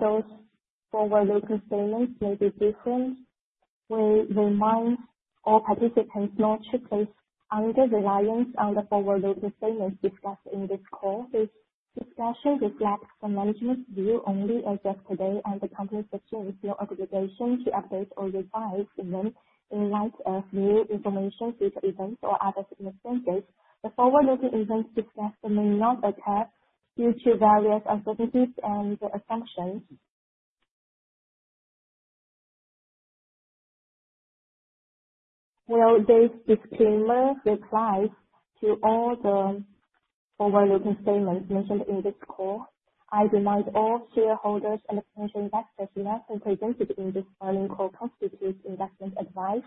Those forward-looking statements may be different. We remind all participants not to place undue reliance on the forward-looking statements discussed in this call. This discussion reflects the management's view only as of today, and the company has no obligation to update or revise them in light of new information, future events, or other circumstances. The forward-looking events discussed may not occur due to various uncertainties and assumptions. Will this disclaimer apply to all the forward-looking statements mentioned in this call? I remind all shareholders and potential investors not to treat this earnings call as constituting investment advice,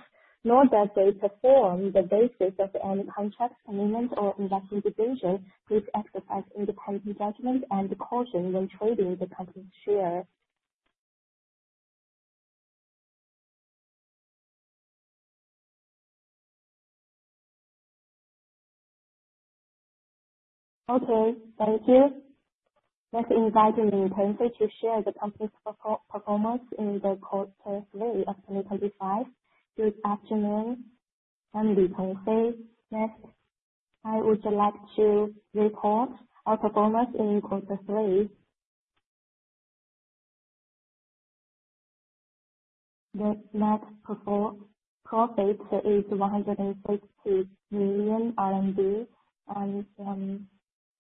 nor that it forms the basis of any contract, commitment, or investment decision. Please exercise independent judgment and caution when trading the company's shares. Thank you. Next, inviting Li Tengfei to share the company's performance in the quarter three of 2025. Good afternoon, I'm Li Tengfei. Next, I would like to report our performance in quarter three. The net profit is 160 million RMB, and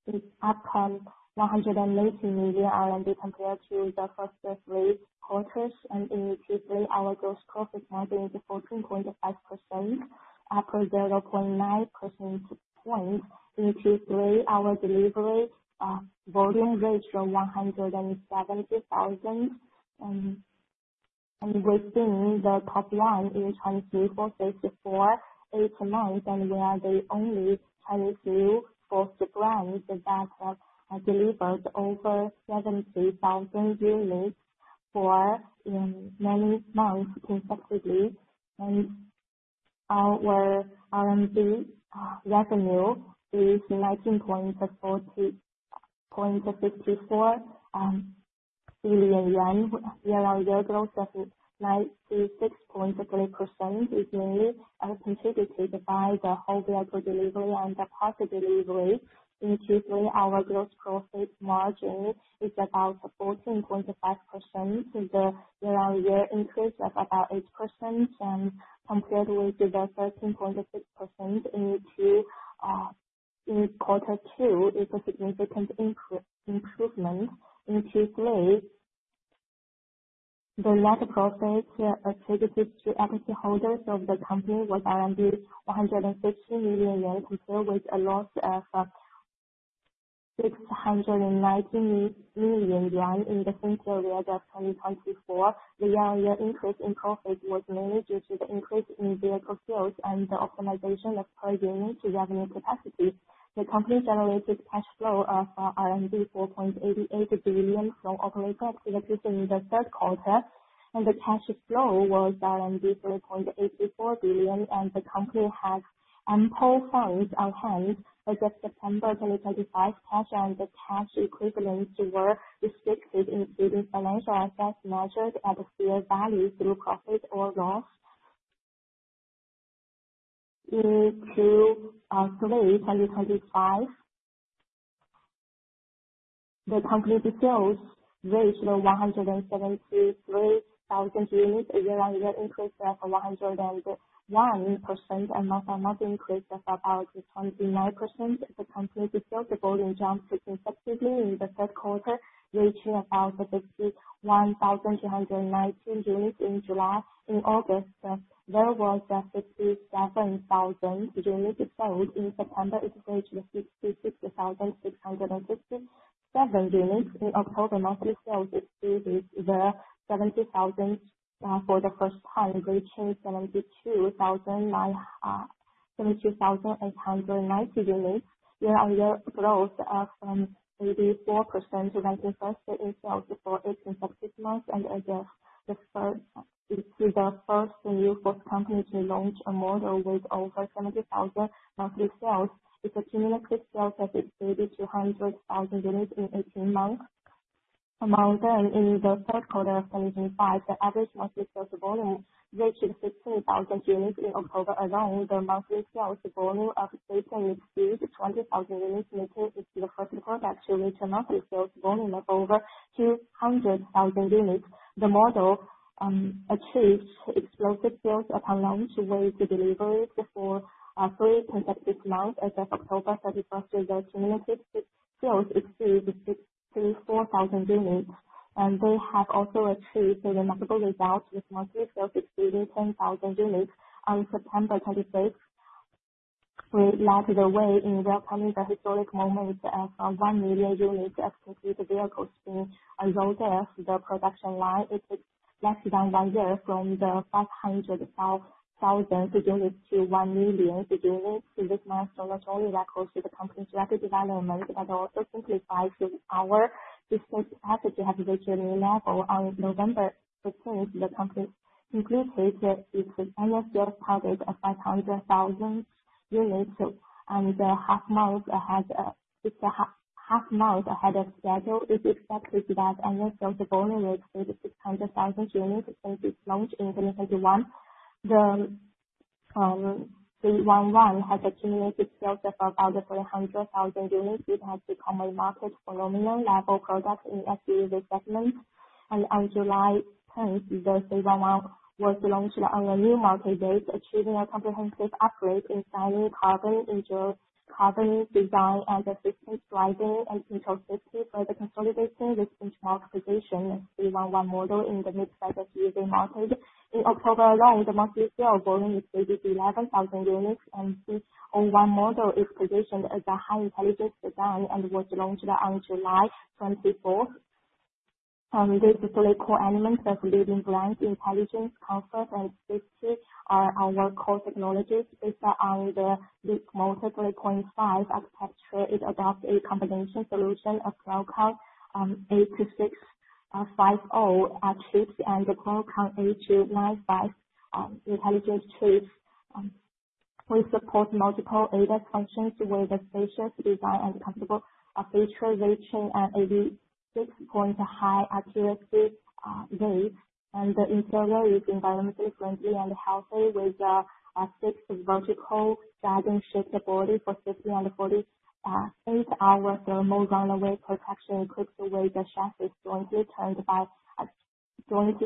it outcomes 180 million RMB compared to the first three quarters. In Q3, our gross profit margin is 14.5%, upper 0.9 percentage point. In Q3, our delivery volume reached 170,000, and we've been the top one in Chinese news for 34, 8 months, and we are the only Chinese news force brand that delivered over 70,000 units for many months consecutively. Our CNY revenue is 19.454 billion yuan. Year-on-year growth of 96.3% is mainly contributed by the whole vehicle delivery and the parcel delivery. In Q3, our gross profit margin is about 14.5%, the year-on-year increase of about 8%, and compared with the 13.6% in Q2, it's a significant improvement. In Q3, the net profit attributed to equity holders of the company was CNY 150 million, compared with a loss of CNY 690 million in the same period of 2024. The year-on-year increase in profit was mainly due to the increase in vehicle sales and the optimization of per unit revenue capacity. The company generated cash flow of 4.88 billion from operating activities in the third quarter, and the cash flow was 3.84 billion, and the company has ample funds on hand. As of September 2025, cash and cash equivalents were restricted, including financial assets measured at fair value through profit or loss. In Q3 2025, the company's sales reached 173,000 units, a year-on-year increase of 101%, and month-on-month increase of about 29%. The company's sales volume jumped consecutively in the third quarter, reaching about 51,219 units in July. In August, there were 57,000 units sold. In September, it reached 66,657 units. In October, monthly sales exceeded 70,000 for the first time, reaching 72,890 units. Year-on-year growth of 84% ranking first in sales for eight consecutive months, and as of the first, it's the first new force company to launch a model with over 70,000 monthly sales. It's accumulated sales of 8,200,000 units in 18 months. Among them, in the third quarter of 2025, the average monthly sales volume reached 15,000 units. In October alone, the monthly sales volume of station exceeded 20,000 units, making it the first product to reach a monthly sales volume of over 200,000 units. The model achieved explosive sales upon launch with deliveries for three consecutive months. As of October 31st, the accumulated sales exceeded 64,000 units, and they have also achieved remarkable results with monthly sales exceeding 10,000 units. On September 26th, we led the way in welcoming the historic moment of 1 million units of completed vehicles being unrolled off the production line. It took less than one year from the 500,000 units to 1 million units. This milestone not only echoes the company's rapid development, but also simplifies our business effort to have reached a new level. On November 15th, the company completed its annual sales target of 500,000 units, and half a month ahead of schedule. It's expected that annual sales volume will exceed 600,000 units since its launch in 2021. The C11 has accumulated sales of about 300,000 units. It has become a market-prominent level product in SUV segment. On July 10th, the C11 was launched on a new market date, achieving a comprehensive upgrade in shining carbon, injury carbon design, and assistance driving and control safety, further consolidating this benchmark position of the C11 model in the mid-size SUV market. In October alone, the monthly sales volume exceeded 11,000 units, and the C01 model is positioned as a high-intelligence design and was launched on July 24th. This historic co-element of leading brand intelligence, comfort, and safety are our core technologies. Based on the Leapmotor LEAP3.5 architecture, it adopts a combination solution of Qualcomm 8650 chips and Qualcomm 8295 intelligent chips. We support multiple ADAS functions with a spacious design and comfortable feature reaching an 86-point high accuracy rate. The interior is environmentally friendly and healthy with a six vertical dragon-shaped body for safety and 48-hour thermal runaway protection equipped with a chassis jointly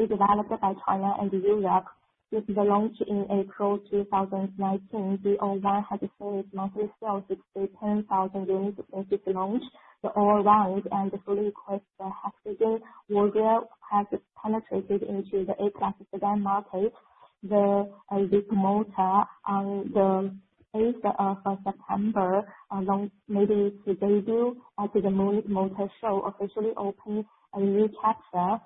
developed by China and Europe. With the launch in April 2019, C01 has seen its monthly sales exceed 10,000 units since its launch. The all-round and fully equipped hexagon wheel well has penetrated into the A-class sedan market. Leapmotor, on the 8th of September, made its debut at the Munich Motor Show, officially opening a new chapter.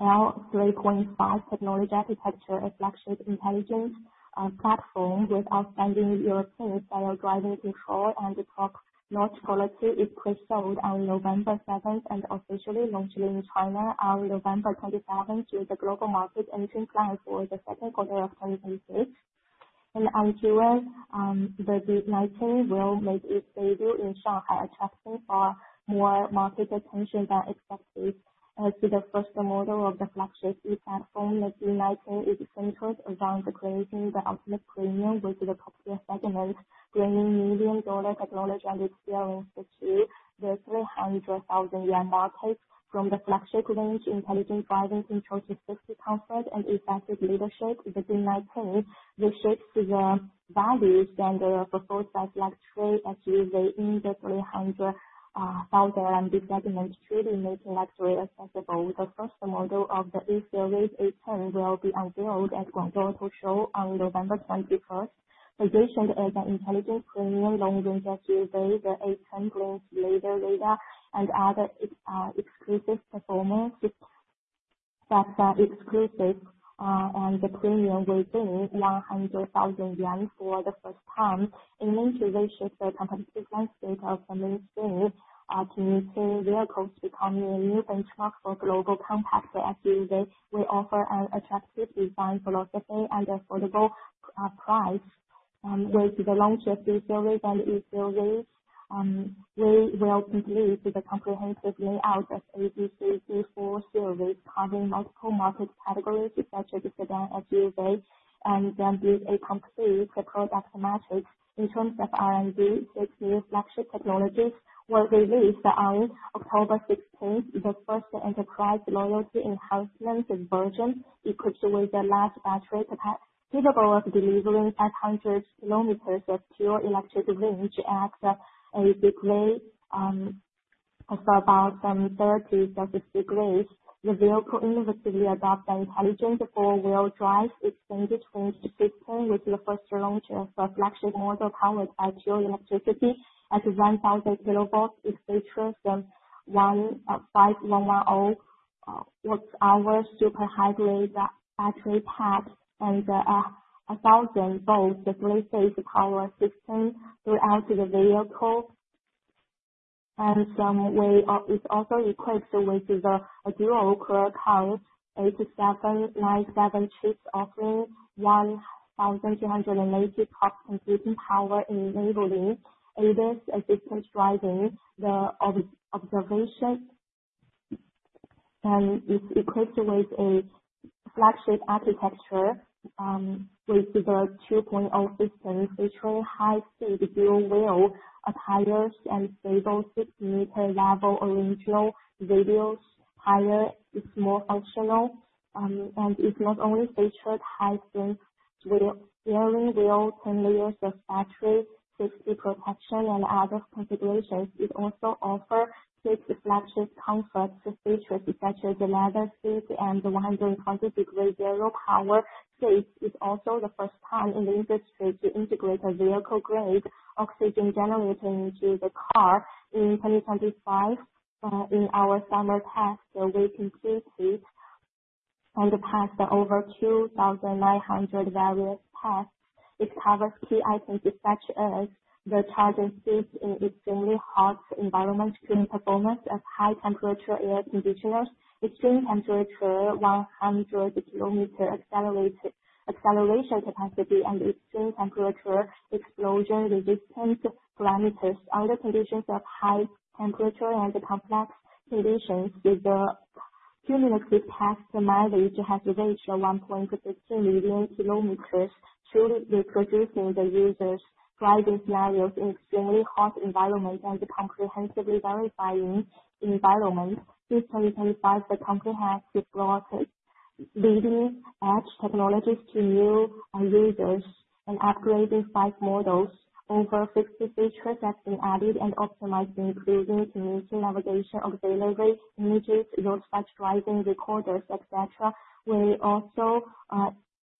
Our LEAP3.5 technology architecture is a flagship intelligence platform with outstanding European-style driving control and top-notch quality. It pre-sold on November 7th and officially launched in China on November 27th with a global market entry plan for the second quarter of 2026. Looking ahead, the D19 will make its debut in Shanghai, attracting more market attention than expected. As the first model of the flagship E-platform, the D19 is centered around creating the ultimate premium with the top-tier segment, bringing medium-door technology and experience to the CNY 300,000 market. From the flagship range, intelligent driving control to safety, comfort, and effective leadership, the D19 reshapes the value standard for four-size luxury SUV in the CNY 300,000 segment, truly making luxury accessible. The first model of the E-Series, A10, will be unveiled at Guangdong Auto Show on November 21st, positioned as an intelligent premium long-range SUV. The A10 brings laser radar and other exclusive performance and premium within 100,000 yuan for the first time. Aiming to reshape the competitive landscape of mainstream two-meter vehicles, becoming a new benchmark for global compact SUV, we offer an attractive design philosophy and affordable price. With the launch of the C-Series and E-Series, we will complete the comprehensive layout of A, B, C, D4 series, covering multiple market categories such as sedan SUV and be a complete product matrix. In terms of CNY, six new flagship technologies were released on October 16th. The first enterprise loyalty enhancement version equipped with a large battery capable of delivering 500 km of pure electric range at a degree of about 30 degrees. The vehicle innovatively adopts an intelligent four-wheel drive extended range system with the first launch of a flagship model powered by pure electricity at 1,000 V. It features a 5,110 Wh super hybrid battery pack and 1,000-V three-phase power system throughout the vehicle. It is also equipped with the dual-core code 8797 chips, offering 1,280 TOPS computing power enabling ADAS assistance driving. The observation and it's equipped with a flagship architecture with the 2.0 system, featuring high-speed dual-wheel tires and stable 6-m level original radial tire. It's more functional, and it's not only featured high-strength steering wheel, 10 layers of battery, safety protection, and other configurations. It also offers six flagship comfort features such as the leather seat and 120-degree zero power seat. It's also the first time in the industry to integrate a vehicle-grade oxygen generator into the car. In 2025, in our summer test, we completed and passed over 2,900 various tests. It covers key items such as the charging seat in extremely hot environment, clean performance of high-temperature air conditioners, extreme temperature 100-km acceleration capacity, and extreme temperature explosion resistance parameters. Under conditions of high temperature and complex conditions, the cumulative test mileage has reached 1.15 million km, truly reproducing the user's driving scenarios in extremely hot environments and comprehensively verifying environments. Since 2025, the company has brought leading-edge technologies to new users and upgraded five models. Over 50 features have been added and optimized, including community navigation, auxiliary images, roadside driving recorders, etc. We also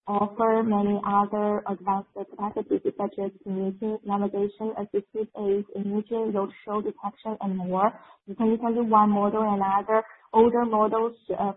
offer many other advanced capacities such as community navigation, assistive aids, imaging, road show detection, and more. The 2021 model and other older models of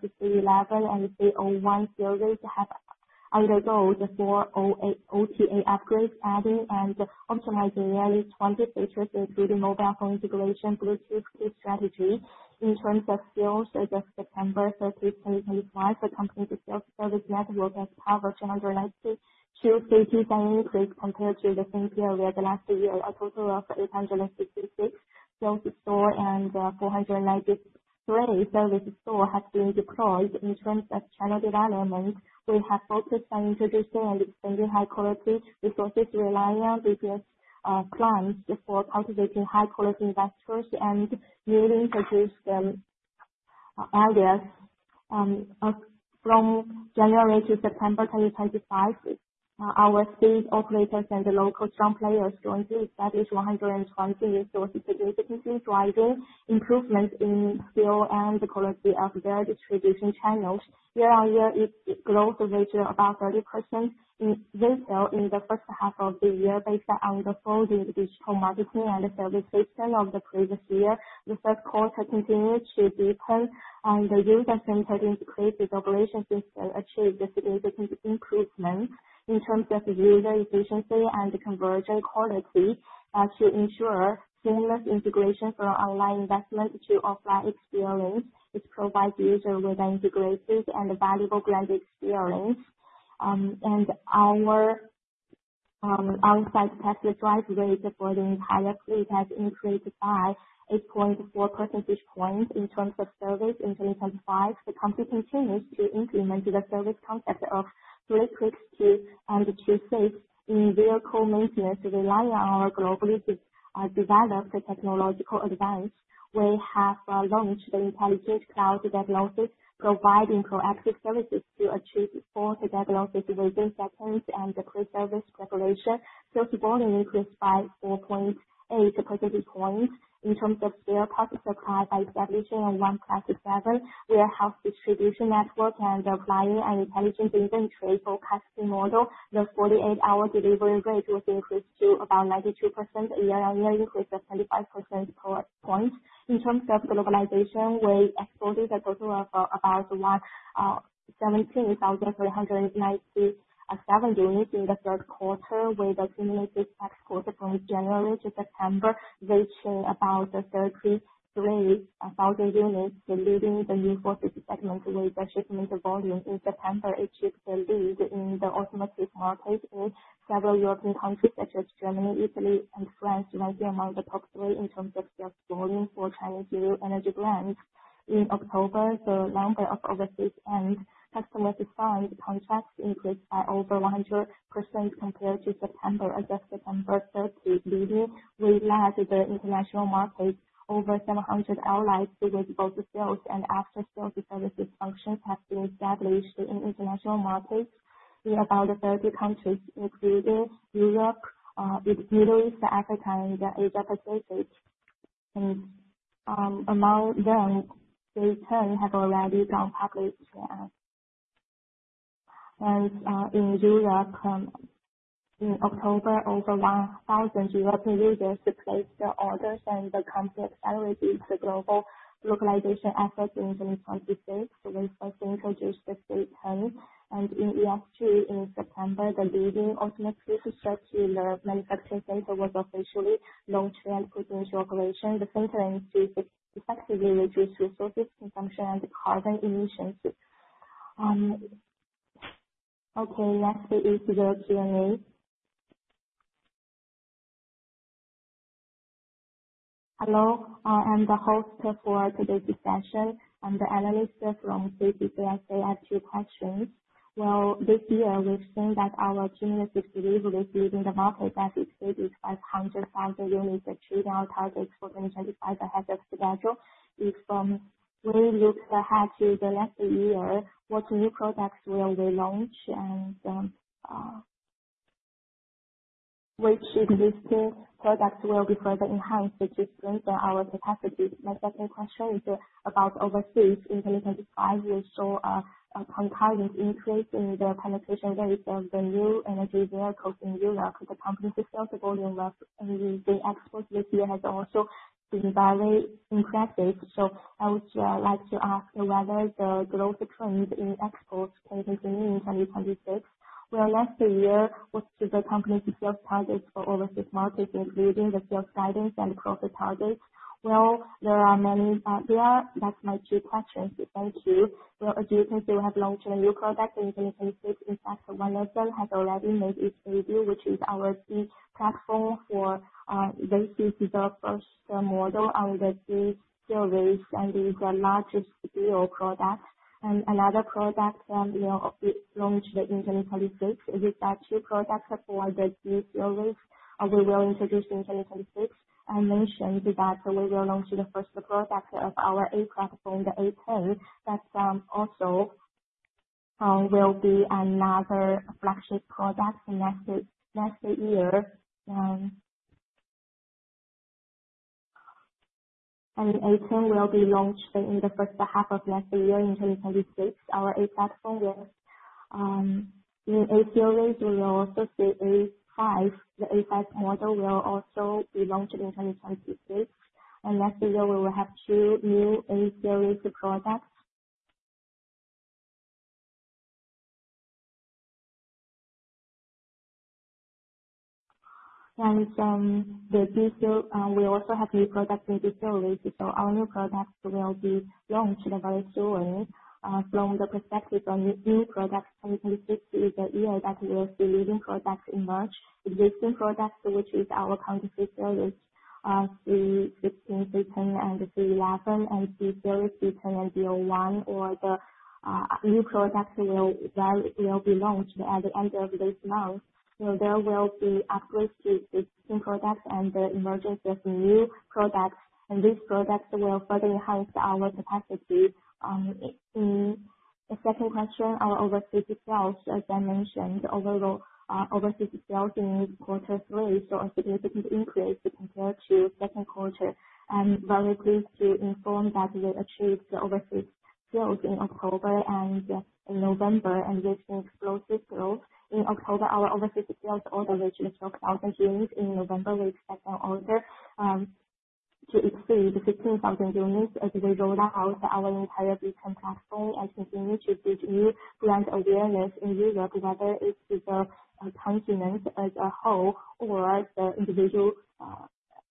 the C11 and C01 series have undergone the 408 OTA upgrades, adding and optimizing nearly 20 features, including mobile phone integration, Bluetooth. Key strategy. In terms of sales, as of September 30th, 2025, the company's sales service network has powered 292 cities and increased compared to the same period last year. A total of 866 sales stores and 493 service stores have been deployed. In terms of channel development, we have focused on introducing and extending high-quality resources relying on previous plans for cultivating high-quality investors and newly introduced areas. From January to September 2025, our state operators and local strong players jointly established 120 resources, significantly driving improvements in skill and quality of their distribution channels. Year-on-year, it grows with about 30% in retail in the first half of the year. Based on the folding digital marketing and service system of the previous year, the third quarter continued to deepen, and the user-centered integrated operations system achieved significant improvements. In terms of user efficiency and conversion quality, to ensure seamless integration from online investment to offline experience, it provides users with an integrated and valuable brand experience. Our onsite test drive rate for the entire fleet has increased by 8.4 percentage points. In terms of service in 2025, the company continues to implement the service concept of fully equipped and to safe in vehicle maintenance, relying on our globally developed technological advance. We have launched the intelligent cloud diagnosis, providing proactive services to achieve full diagnosis within seconds and pre-service preparation. Sales volume increased by 4.8 percentage points. In terms of spare parts supply, by establishing a 1-plus-7 warehouse distribution network and applying an intelligent inventory for custom model, the 48-hour delivery rate was increased to about 92% year-on-year, an increase of 25 percentage points. In terms of globalization, we exported a total of about 117,397 units in the third quarter, with accumulated exports from January to September reaching about 33,000 units, leading the new four-fifth segment with the shipment volume. In September, it took the lead in the automotive market in several European countries such as Germany, Italy, and France, ranking among the top three in terms of sales volume for Chinese new energy brands. In October, the number of overseas and customer-signed contracts increased by over 100% compared to September, as of September 30, leading with that the international market. Over 700 allies with both sales and after-sales services functions have been established in international markets in about 30 countries, including Europe, Middle East, Africa, and Asia-Pacific. Among them, D10 has already gone public. In Europe, in October, over 1,000 European users placed orders, and the company accelerated the global localization efforts in 2026 with the first introduced D10. In H2, in September, the leading automotive circular manufacturing center was officially launched and put into operation. The center effectively reduced resources consumption and carbon emissions. Okay, next is the Q&A. Hello, I am the host for today's session. I'm the analyst from CITIC CLSA. I have two questions. This year, we've seen that our cumulative delivery is leading the market as it exceeded 500,000 units, achieving our targets for 2025 ahead of schedule. If we look ahead to the next year, what new products will we launch? Which existing products will be further enhanced to strengthen our capacity? My second question is about overseas. In 2025, we saw a concurrent increase in the penetration rate of the new energy vehicles in Europe. The company's sales volume of the exports this year has also been very impressive. I would like to ask whether the growth trends in exports can continue in 2026. Next year, what's the company's sales targets for overseas markets, including the sales guidance and profit targets? There are many. Thank you. As you can see, we have launched a new product in 2026. In fact, one of them has already made its debut, which is our C-platform developed first model on the C-Series and is the largest deal product. Another product launched in 2026. These are two products for the C-Series we will introduce in 2026. I mentioned that we will launch the first product of our A-platform, the A10. That also will be another flagship product next year. A10 will be launched in the first half of next year, in 2026. Our A-platform in A-Series will also be A5. The A5 model will also be launched in 2026. Next year, we will have two new A-Series products. We also have new products in the series. All new products will be launched very soon. From the perspective of new products, 2026 is the year that we'll see leading products emerge. Existing products, which is our current C-Series, C16, C10, and C11, and C-Series, C10, and D01, or the new products will be launched at the end of this month. There will be upgrades to existing products and the emergence of new products. These products will further enhance our capacity. The second question, our overseas sales, as I mentioned, overseas sales in quarter three saw a significant increase compared to second quarter. Very pleased to inform that we achieved overseas sales in October and in November, and we've seen explosive growth. In October, our overseas sales order reached 12,000 units. In November, we expect an order to exceed 15,000 units as we roll out our entire B10 platform and continue to build new brand awareness in Europe, whether it is the continent as a whole or the individual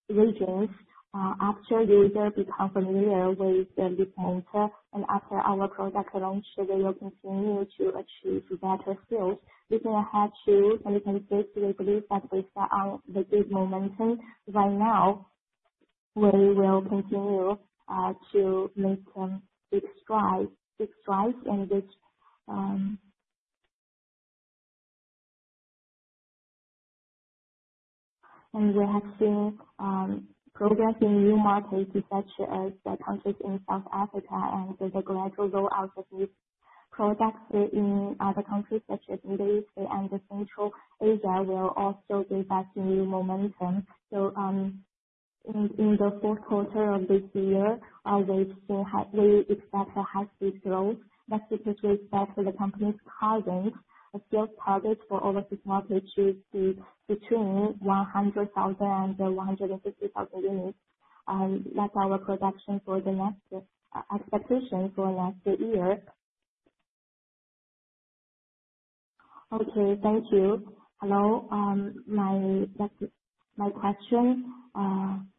regions. After users become familiar with the B10 and after our product launch, we will continue to achieve better sales. Looking ahead to 2026, we believe that based on the good momentum right now, we will continue to make big strides and we have seen progress in new markets such as countries in South Africa and the gradual rollout of new products in other countries such as Middle East and Central Asia will also give us new momentum. In the fourth quarter of this year, we expect a high-speed growth. That is because we expect the company's current sales target for overseas markets should be between 100,000 and 150,000 units. That's our projection for the next expectation for next year. Okay, thank you. Hello, my question. I'm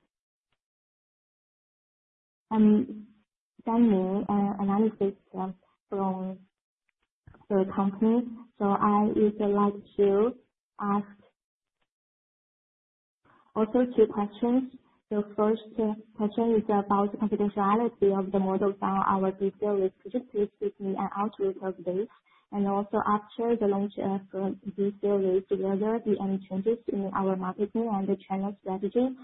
sending an analysis from the company. I would like to ask also two questions. The first question is about the confidentiality of the models on our B-Series projectors. Give me an outlook of this. After the launch of B-Series, will there be any changes in our marketing and channel strategy? Is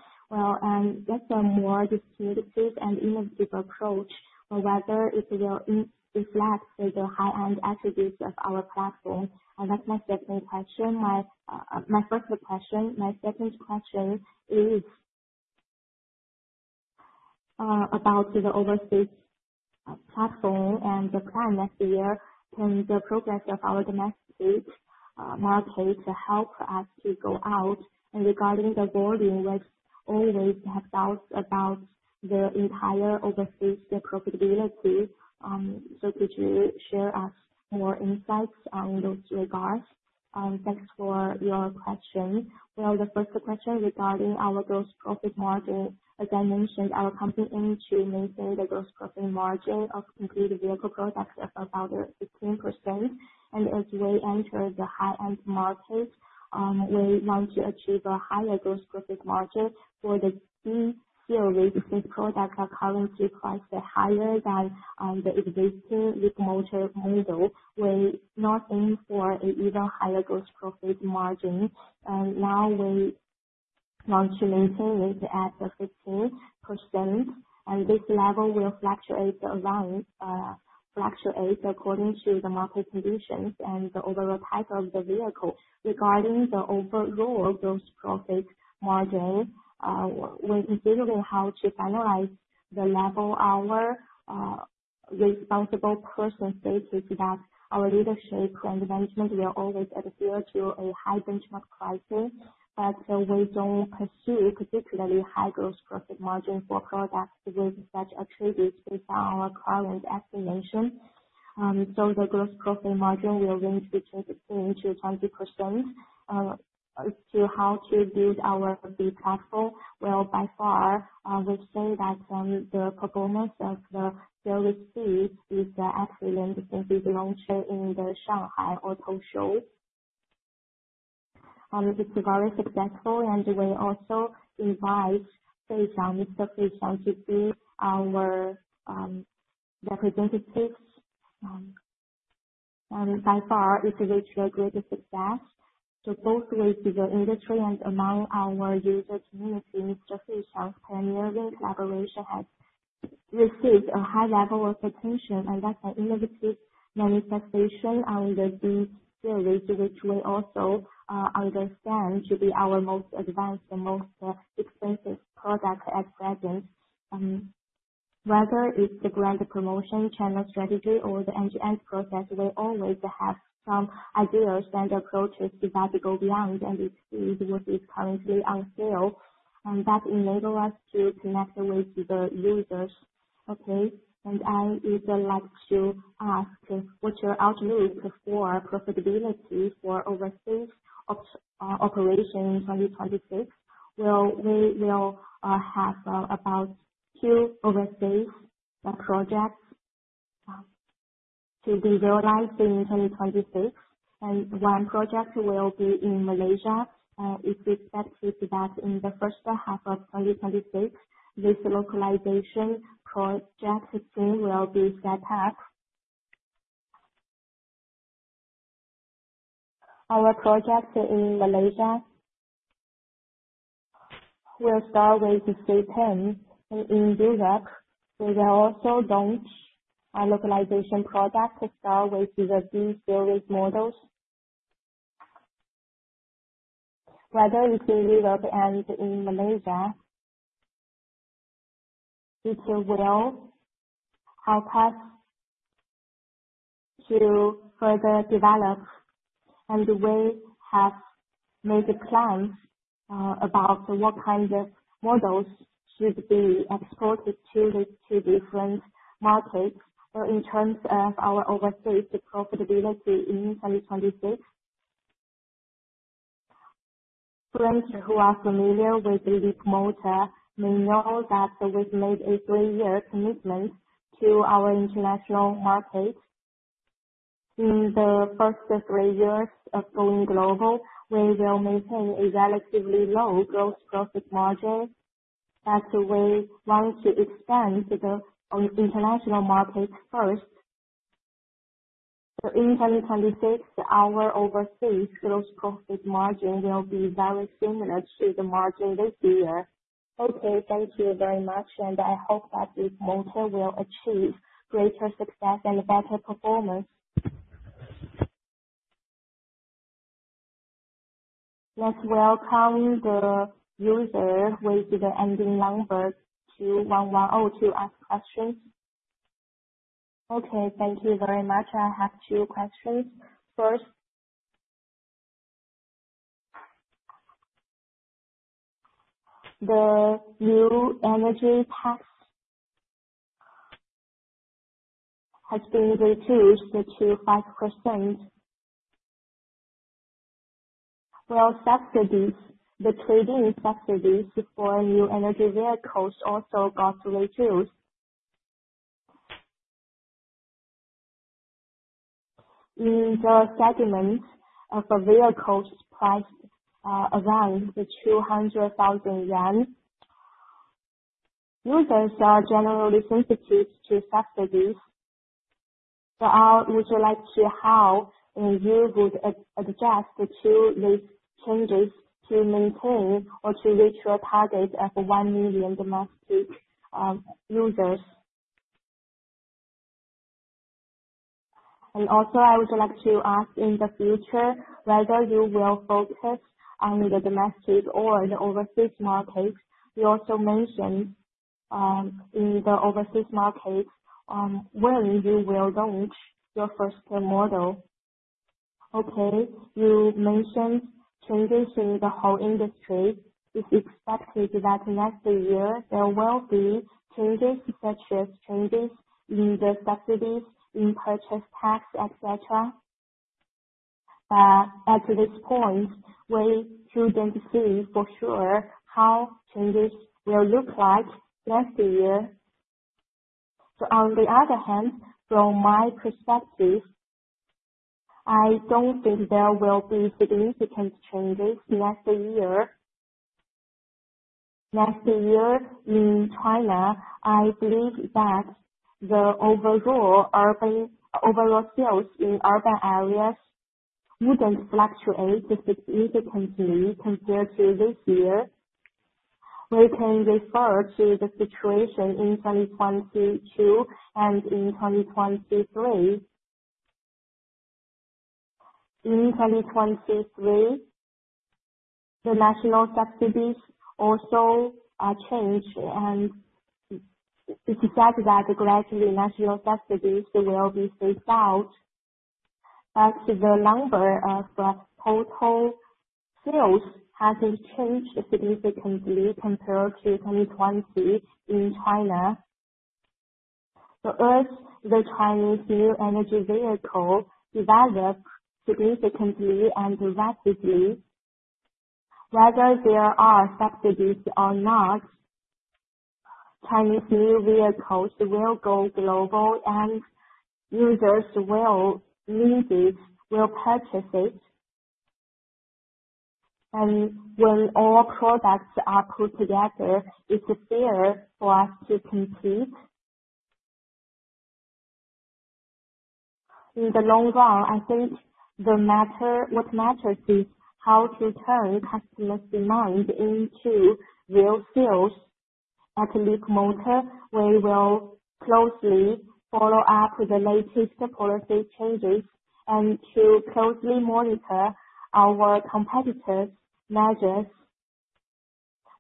that a more distinctive and innovative approach, whether it will reflect the high-end attributes of our platform? That's my second question. My second question is about the overseas platform and the plan next year. Can the progress of our domestic market help us to go out? Regarding the volume, we always have doubts about the entire overseas profitability. Could you share with us more insights on those regards? Thanks for your question. The first question regarding our gross profit margin. As I mentioned, our company aims to maintain the gross profit margin of complete vehicle products of about 15%. As we enter the high-end market, we want to achieve a higher gross profit margin for the C-Series since products are currently priced higher than the existing Leapmotor model. We are not aiming for an even higher gross profit margin. Now we want to maintain it at 15%. This level will fluctuate according to the market conditions and the overall type of the vehicle. Regarding the overall gross profit margin, we are considering how to finalize the level. Our responsible person stated that our leadership and management will always adhere to a high benchmark pricing, but we do not pursue particularly high gross profit margin for products with such attributes based on our current estimation. The gross profit margin will range between 15%-20%. As to how to build our B-platform, by far, we've seen that the performance of the service fees is excellent since we've launched it in the Shanghai Auto Show. It is very successful, and we also invite to be our representative. By far, it has reached great success. Both with the industry and among our user community, pioneering collaboration has received a high level of attention, and that is an innovative manifestation on the B-Series, which we also understand to be our most advanced and most expensive product at present. Whether it is the brand promotion, channel strategy, or the end-to-end process, we always have some ideas and approaches that go beyond and exceed what is currently on sale. That enables us to connect with the users. Okay. I would like to ask, what's your outlook for profitability for overseas operation in 2026? We will have about two overseas projects to be realized in 2026. One project will be in Malaysia. It is expected that in the first half of 2026, this localization project team will be set up. Our project in Malaysia will start with C10. In Europe, we will also launch a localization product to start with the B-Series models. Whether it is in Europe or in Malaysia, it will help us to further develop. We have made plans about what kind of models should be exported to the two different markets in terms of our overseas profitability in 2026. Friends who are familiar with Leapmotor may know that we've made a three-year commitment to our international market. In the first three years of going global, we will maintain a relatively low gross profit margin. That is why we want to expand the international market first. In 2026, our overseas gross profit margin will be very similar to the margin this year. Okay, thank you very much. I hope that this model will achieve greater success and better performance. Let's welcome the user with the ending number 2110 to ask questions. Okay, thank you very much. I have two questions. First, the new energy tax has been reduced to 5%. Subsidies, the trading subsidies for new energy vehicles also got reduced. In the segment of vehicles priced around 200,000 yuan, users are generally sensitive to subsidies. I would like to know how you would adjust to these changes to maintain or to reach your target of 1 million domestic users. I would like to ask in the future whether you will focus on the domestic or the overseas market. You also mentioned in the overseas market when you will launch your first model. You mentioned changes in the whole industry. It is expected that next year there will be changes such as changes in the subsidies, in purchase tax, etc. At this point, we should not see for sure how changes will look like next year. On the other hand, from my perspective, I do not think there will be significant changes next year. Next year in China, I believe that the overall sales in urban areas would not fluctuate significantly compared to this year. We can refer to the situation in 2022 and in 2023. In 2023, the national subsidies also changed. It is said that gradually national subsidies will be phased out. The number of total sales has not changed significantly compared to 2020 in China. As the Chinese new energy vehicle develops significantly and rapidly, whether there are subsidies or not, Chinese new vehicles will go global, and users will need it, will purchase it. When all products are put together, it is fair for us to compete. In the long run, I think what matters is how to turn customers' demand into real sales. At Leapmotor, we will closely follow up with the latest policy changes and closely monitor our competitors' measures.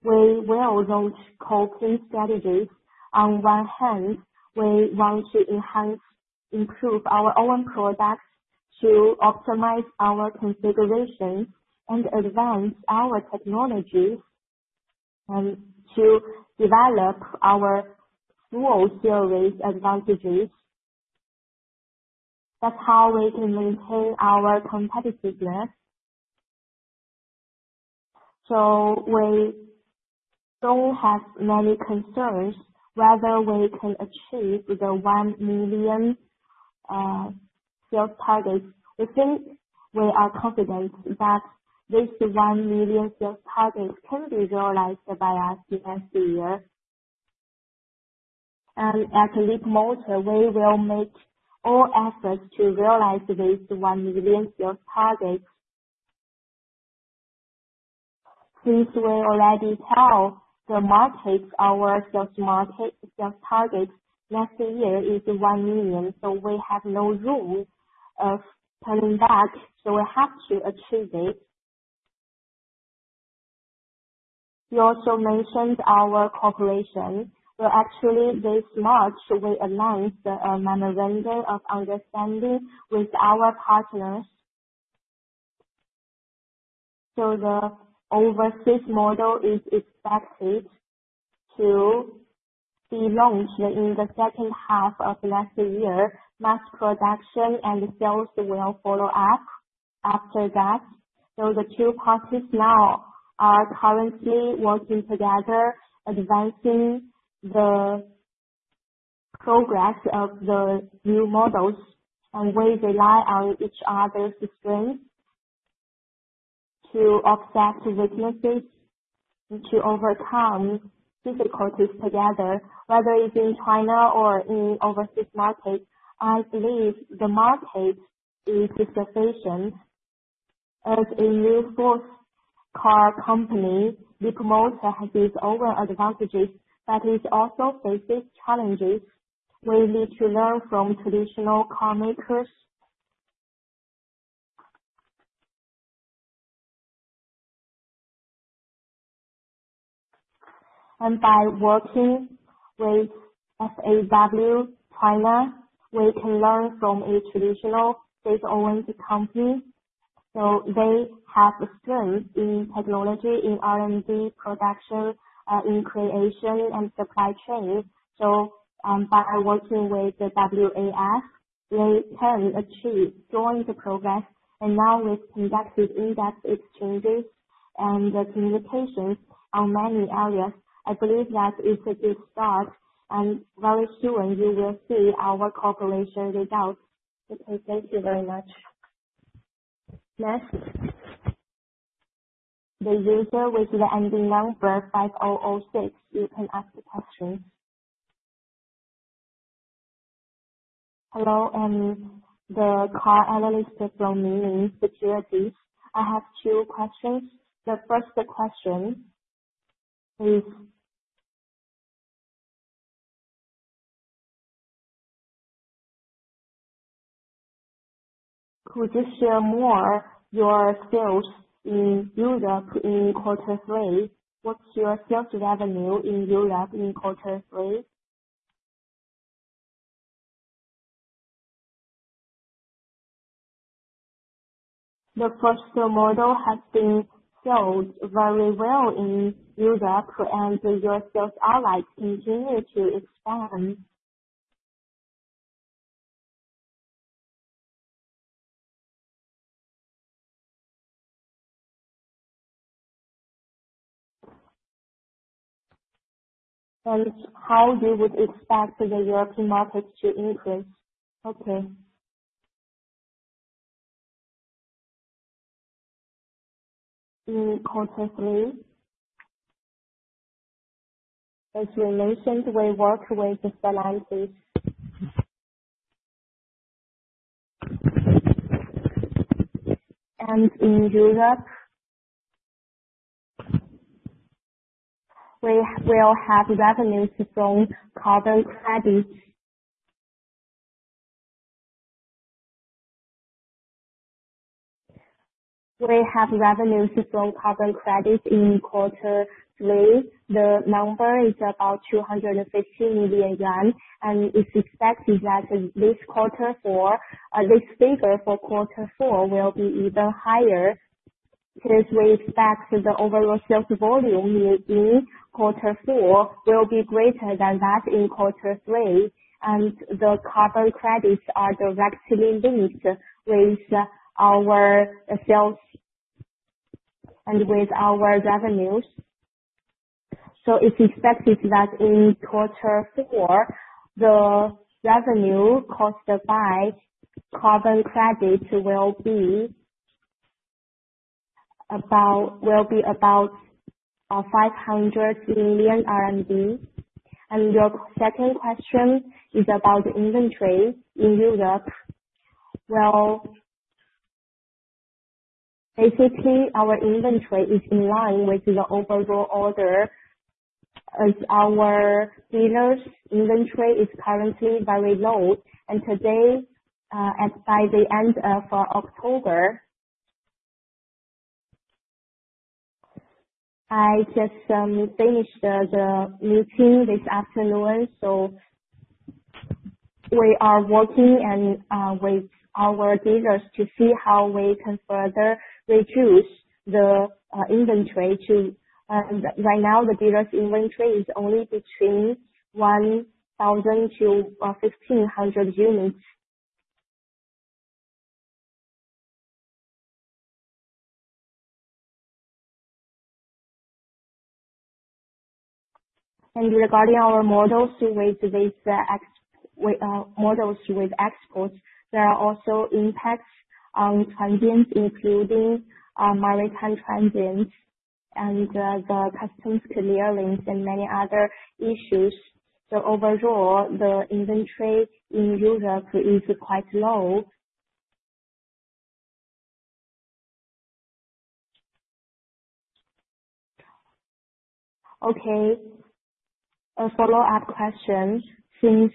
We will launch coping strategies. On one hand, we want to improve our own products to optimize our configuration and advance our technologies and to develop our full series advantages. That is how we can maintain our competitiveness. We do not have many concerns whether we can achieve the 1 million sales target. We think we are confident that this 1 million sales target can be realized by us next year. At Leapmotor, we will make all efforts to realize this 1 million sales target. Since we already told the market our sales target, next year is 1 million. We have no room of turning back. We have to achieve it. You also mentioned our cooperation. Actually, this March, we announced a memorandum of understanding with our partners. The overseas model is expected to be launched in the second half of next year. Mass production and sales will follow up after that. The two parties now are currently working together, advancing the progress of the new models. We rely on each other's strength to offset weaknesses and to overcome difficulties together. Whether it is in China or in overseas markets, I believe the market is sufficient. As a new fourth-car company, Leapmotor has these overall advantages, but it also faces challenges. We need to learn from traditional car makers. By working with FAW Group, we can learn from a traditional state-owned company. They have strength in technology, in R&D, production, in creation, and supply chain. By working with FAW Group, they can achieve joint progress. Now we've conducted in-depth exchanges and communications on many areas. I believe that it's a good start. Very soon, you will see our cooperation results. Okay, thank you very much. Next, the user with the ending number 5006, you can ask questions. Hello, I'm the car analyst from Minsheng Securities. I have two questions. The first question is, could you share more of your sales in Europe in quarter three? What's your sales revenue in Europe in quarter three? The first model has been sold very well in Europe, and your sales are likely to continue to expand. How do you expect the European markets to increase? Okay. In quarter three, as we mentioned, we work with the philanthropy. In Europe, we will have revenues from carbon credits. We have revenues from carbon credits in quarter three. The number is about 250 million yuan. It is expected that this quarter four, this figure for quarter four, will be even higher because we expect the overall sales volume in quarter four will be greater than that in quarter three. The carbon credits are directly linked with our sales and with our revenues. It is expected that in quarter four, the revenue caused by carbon credits will be about 500 million RMB. Your second question is about inventory in Europe. Basically, our inventory is in line with the overall order. Our dealers' inventory is currently very low. By the end of October, I just finished the meeting this afternoon. We are working with our dealers to see how we can further reduce the inventory too. Right now, the dealer's inventory is only between 1,000-1,500 units. Regarding our models with exports, there are also impacts on transients, including maritime transients and the customs clearance and many other issues. Overall, the inventory in Europe is quite low. Okay. A follow-up question. Since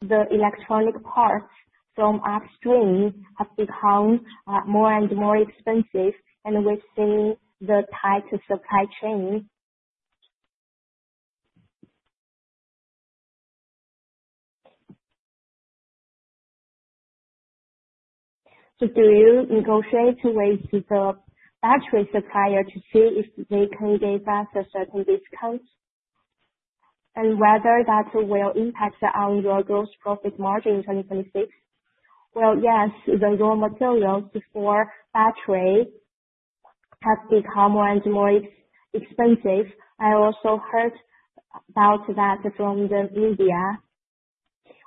the electronic parts from upstream have become more and more expensive and we've seen the tight supply chain, do you negotiate with the battery supplier to see if they can give us a certain discount? And whether that will impact our gross profit margin in 2026? Yes, the raw materials for battery have become more and more expensive. I also heard about that from the media.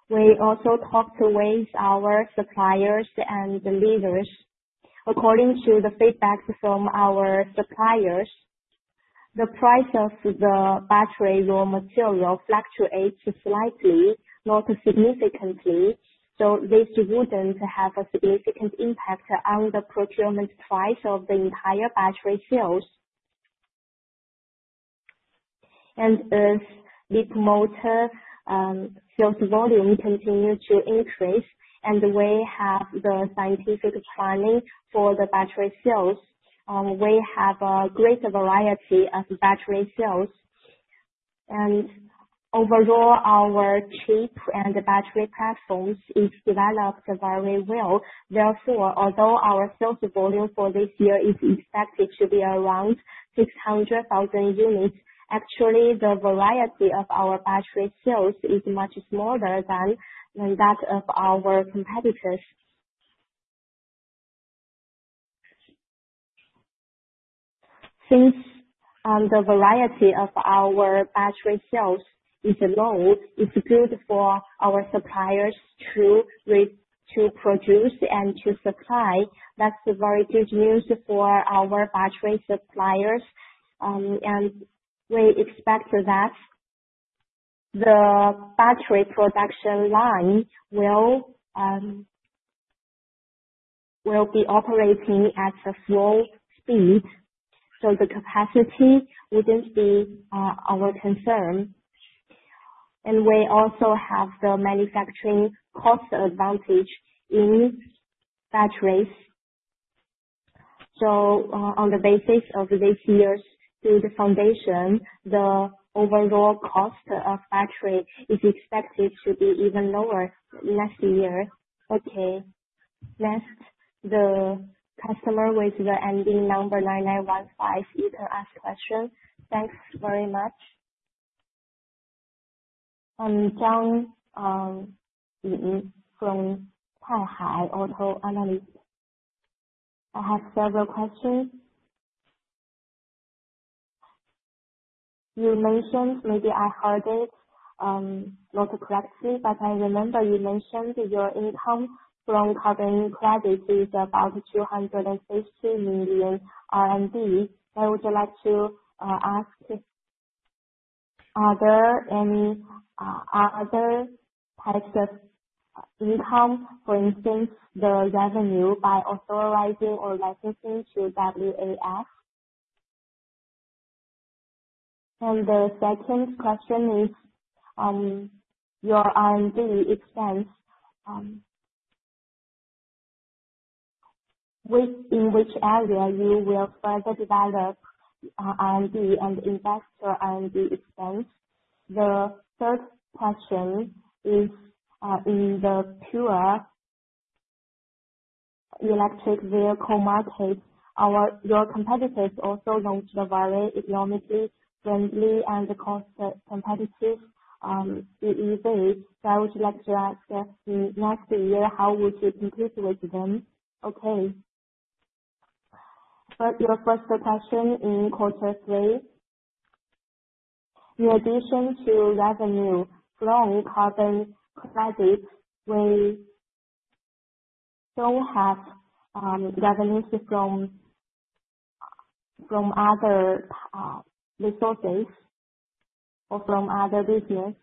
We also talked with our suppliers and the leaders. According to the feedback from our suppliers, the price of the battery raw material fluctuates slightly, not significantly. This would not have a significant impact on the procurement price of the entire battery sales. As Leapmotor's sales volume continues to increase and we have the scientific planning for the battery sales, we have a greater variety of battery sales. Overall, our chip and battery platforms are developed very well. Therefore, although our sales volume for this year is expected to be around 600,000 units, actually, the variety of our battery sales is much smaller than that of our competitors. Since the variety of our battery sales is low, it is good for our suppliers to produce and to supply. That's very good news for our battery suppliers. We expect that the battery production line will be operating at a slow speed. The capacity would not be our concern. We also have the manufacturing cost advantage in batteries. On the basis of this year's good foundation, the overall cost of battery is expected to be even lower next year. Okay. Next, the customer with the ending number 9915, you can ask questions. Thanks very much. from Tianhai Auto analyst I have several questions. You mentioned, maybe I heard it not correctly, but I remember you mentioned your income from carbon credits is about 250 million RMB. I would like to ask, are there any other types of income, for instance, the revenue by authorizing or licensing to FAW? The second question is, your R&D expense, in which area you will further develop R&D and invest your R&D expense? The third question is, in the pure electric vehicle market, your competitors also launched very economically friendly and cost-competitive EVs. I would like to ask, next year, how would you compete with them? Okay. Your first question, in quarter three, in addition to revenue from carbon credits, we do not have revenues from other resources or from other business.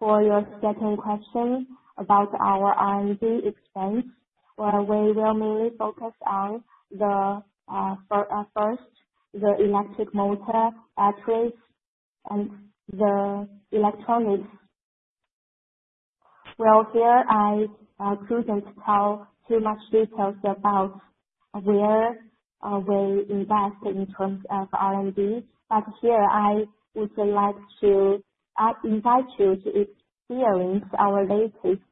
For your second question about our R&D expense, we will mainly focus on, first, the electric motor batteries and the electronics. I could not tell too much detail about where we invest in terms of R&D. I would like to invite you to experience our latest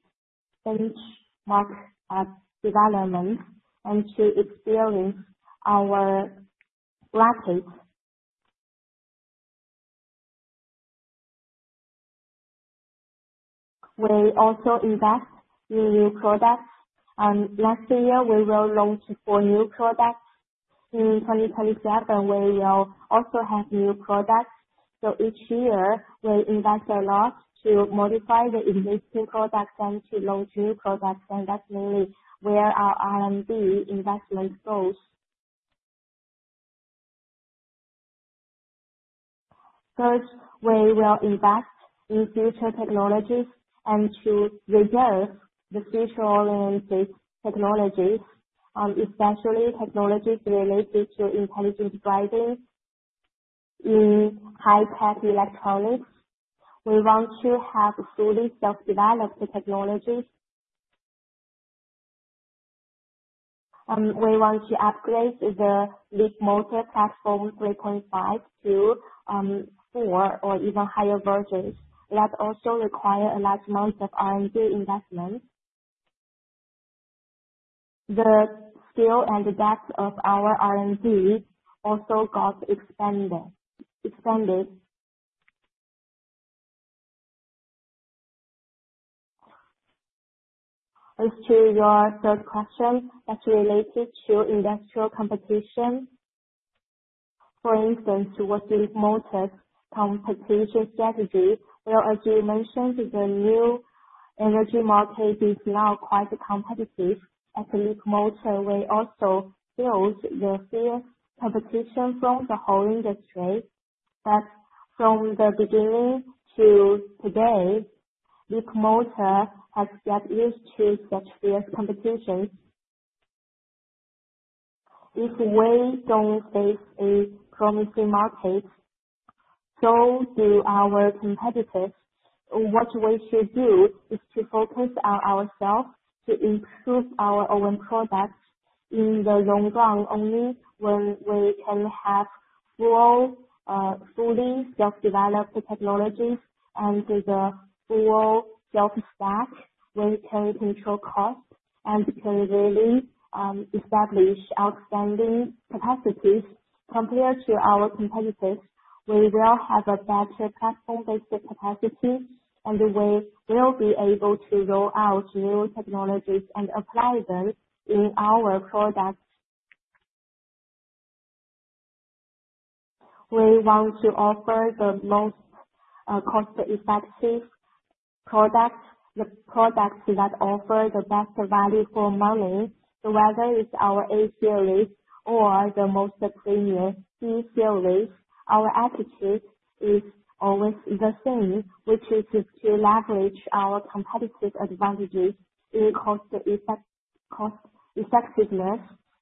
benchmark development and to experience our racket. We also invest in new products. Next year, we will launch four new products. In 2027, we will also have new products. Each year, we invest a lot to modify the existing products and to launch new products. That is mainly where our R&D investment goes. First, we will invest in future technologies and to reverse the future-oriented technologies, especially technologies related to intelligent driving in high-tech electronics. We want to have fully self-developed technologies. We want to upgrade the Leapmotor Platform 3.5 to four or even higher versions. That also requires a large amount of R&D investment. The scale and depth of our R&D also got expanded. As to your third question, that is related to industrial competition. For instance, what is Leapmotor's competition strategy? As you mentioned, the new energy market is now quite competitive. At Leapmotor, we also built the fierce competition from the whole industry. From the beginning to today, Leapmotor has got used to such fierce competition. If we do not face a promising market, so do our competitors. What we should do is to focus on ourselves to improve our own products in the long run. Only when we can have full, fully self-developed technologies and the full self-stack, we can control costs and can really establish outstanding capacities compared to our competitors. We will have a better platform-based capacity, and we will be able to roll out new technologies and apply them in our products. We want to offer the most cost-effective product, the product that offers the best value for money. Whether it is our A-Series or the most premium B-Series, our attitude is always the same, which is to leverage our competitive advantages in cost-effectiveness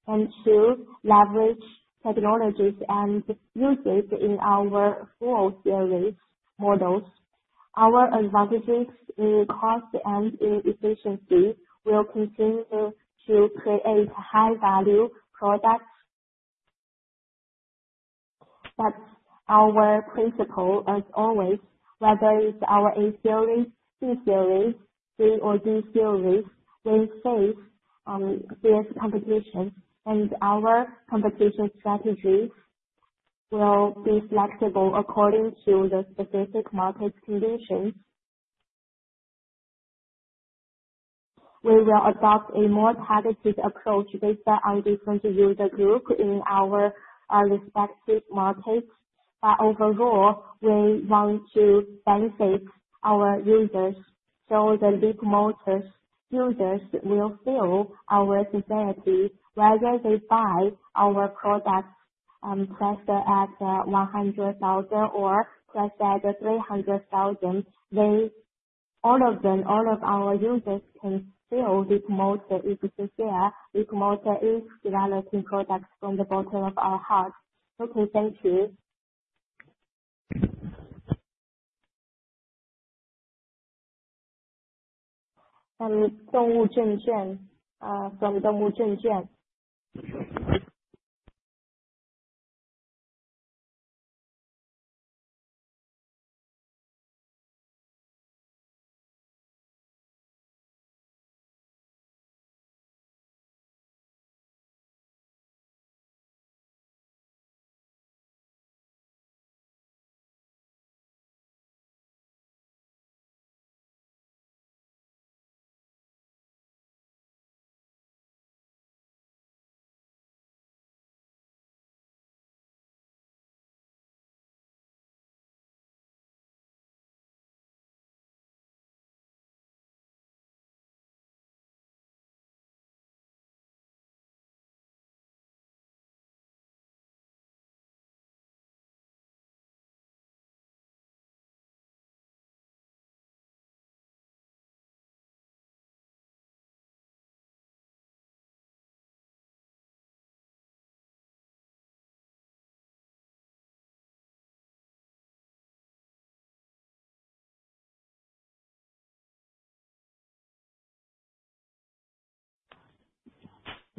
and to leverage technologies and uses in our full-series models. Our advantages in cost and in efficiency will continue to create high-value products. Our principle, as always, whether it's our A-Series, B-Series, C or D-Series, we face fierce competition. Our competition strategy will be flexible according to the specific market conditions. We will adopt a more targeted approach based on different user groups in our respective markets. Overall, we want to benefit our users. Leapmotor's users will feel our sincerity whether they buy our products priced at 100,000 or priced at 300,000. All of them, all of our users can feel Leapmotor is sincere. Leapmotor is developing products from the bottom of our heart. Okay. Thank you. Dongwu Zhenzhen from Dongwu Zhenzhen.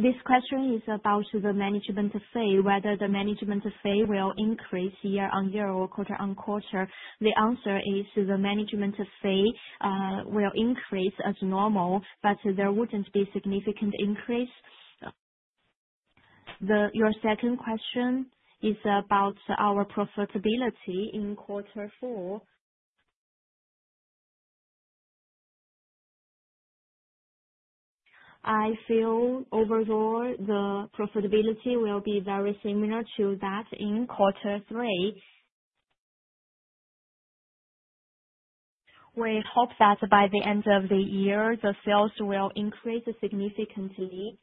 This question is about the management fee. Whether the management fee will increase year-on-year or quarter-on-quarter. The answer is the management fee will increase as normal, but there would not be a significant increase. Your second question is about our profitability in quarter four. I feel overall the profitability will be very similar to that in quarter three. We hope that by the end of the year, the sales will increase significantly.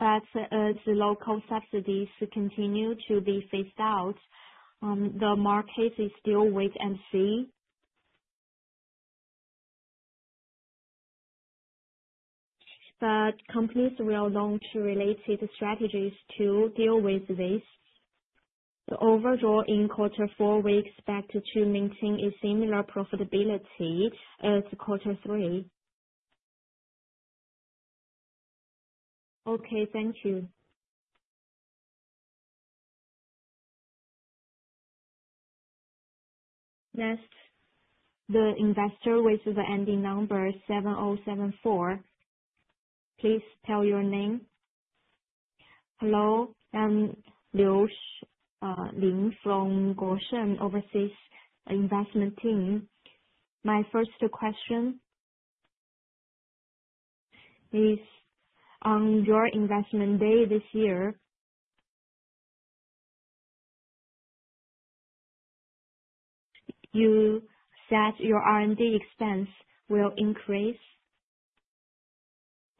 As local subsidies continue to be phased out, the market is still wait and see. Companies will launch related strategies to deal with this. Overall, in quarter four, we expect to maintain a similar profitability as quarter three. Okay. Thank you. Next, the investor with the ending number 7074, please tell your name. Hello. I am Liu Ling from Goshen Overseas Investment Team. My first question is, on your investment day this year, you said your R&D expense will increase.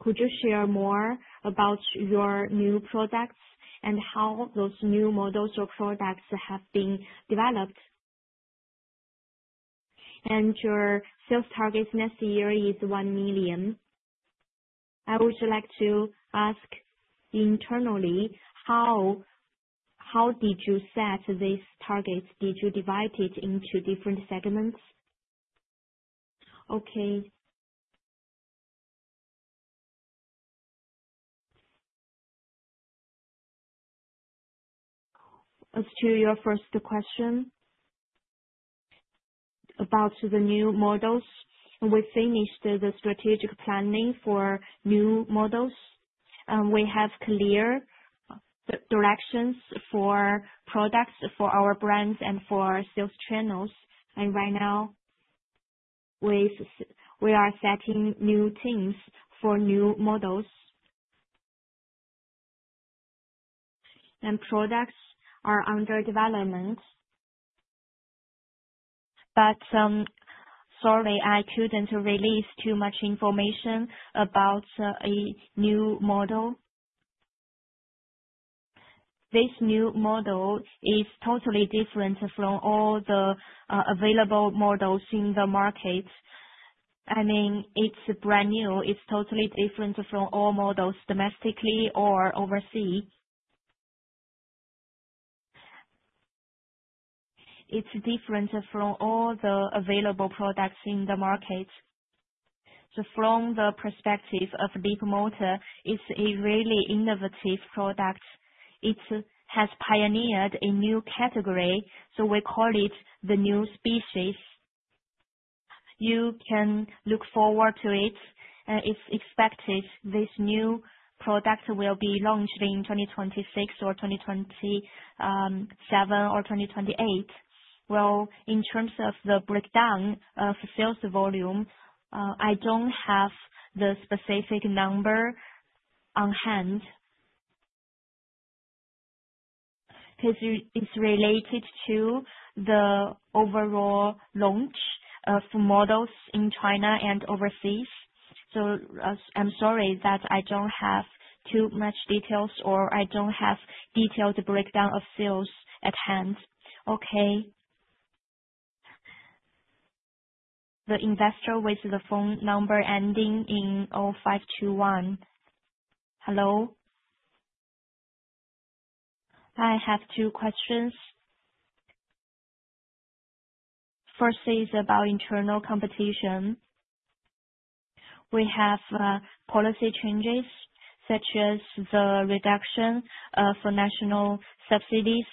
Could you share more about your new products and how those new models or products have been developed? Your sales target next year is 1 million. I would like to ask internally, how did you set this target? Did you divide it into different segments? Okay. As to your first question about the new models, we finished the strategic planning for new models. We have clear directions for products for our brands and for our sales channels. Right now, we are setting new teams for new models. Products are under development. Sorry, I could not release too much information about a new model. This new model is totally different from all the available models in the market. I mean, it is brand new. It is totally different from all models domestically or overseas. It is different from all the available products in the market. From the perspective of Leapmotor, it's a really innovative product. It has pioneered a new category. We call it the new species. You can look forward to it. It's expected this new product will be launched in 2026 or 2027 or 2028. In terms of the breakdown of sales volume, I don't have the specific number on hand. It's related to the overall launch of models in China and overseas. I'm sorry that I don't have too much detail or I don't have detailed breakdown of sales at hand. Okay. The investor with the phone number ending in 0521. Hello. I have two questions. First is about internal competition. We have policy changes such as the reduction of national subsidies.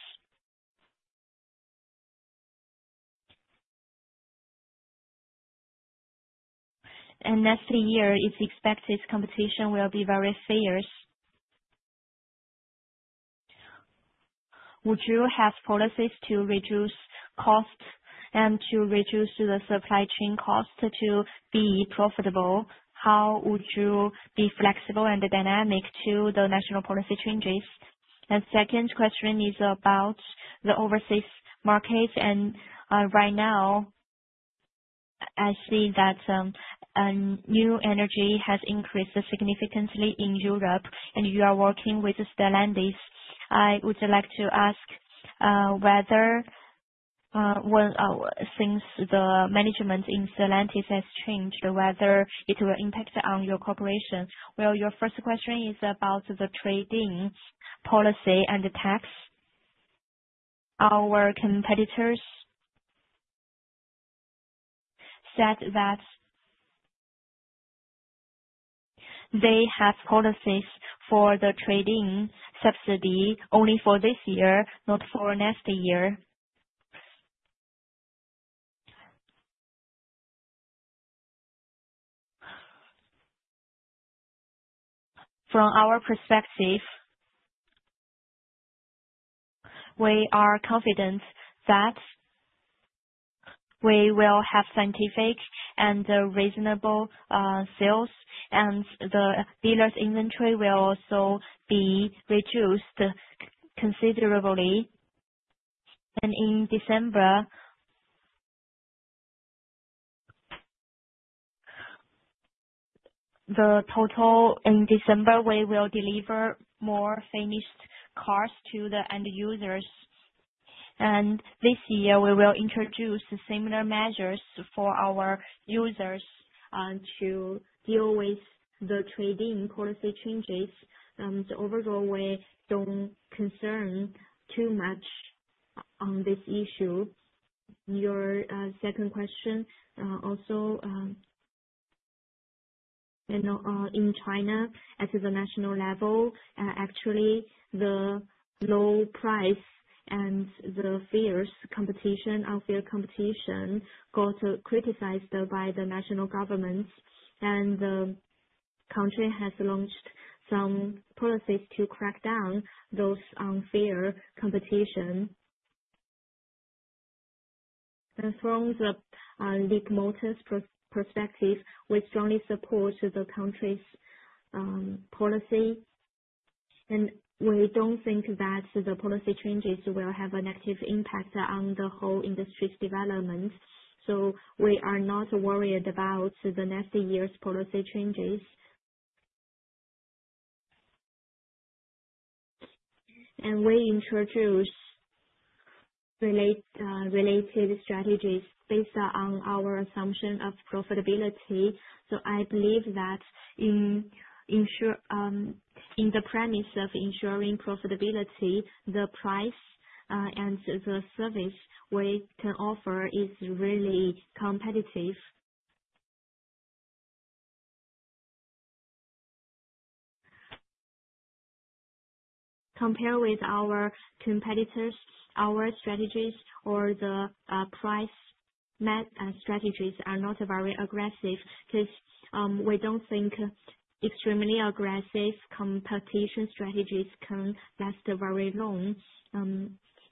Next year, it's expected competition will be very fierce. Would you have policies to reduce cost and to reduce the supply chain cost to be profitable? How would you be flexible and dynamic to the national policy changes? The second question is about the overseas markets. Right now, I see that new energy has increased significantly in Europe, and you are working with Stellantis. I would like to ask whether, since the management in Stellantis has changed, it will impact your cooperation. Your first question is about the trading policy and the tax. Our competitors said that they have policies for the trading subsidy only for this year, not for next year. From our perspective, we are confident that we will have scientific and reasonable sales, and the dealer's inventory will also be reduced considerably. In December, the total in December, we will deliver more finished cars to the end users. This year, we will introduce similar measures for our users to deal with the trading policy changes. Overall, we do not concern too much on this issue. Your second question also, in China, at the national level, actually, the low price and the fierce competition, unfair competition, got criticized by the national government. The country has launched some policies to crack down on those unfair competitions. From Leapmotor's perspective, we strongly support the country's policy. We do not think that the policy changes will have a negative impact on the whole industry's development. We are not worried about next year's policy changes. We introduced related strategies based on our assumption of profitability. I believe that in the premise of ensuring profitability, the price and the service we can offer is really competitive. Compared with our competitors, our strategies or the price strategies are not very aggressive. We don't think extremely aggressive competition strategies can last very long.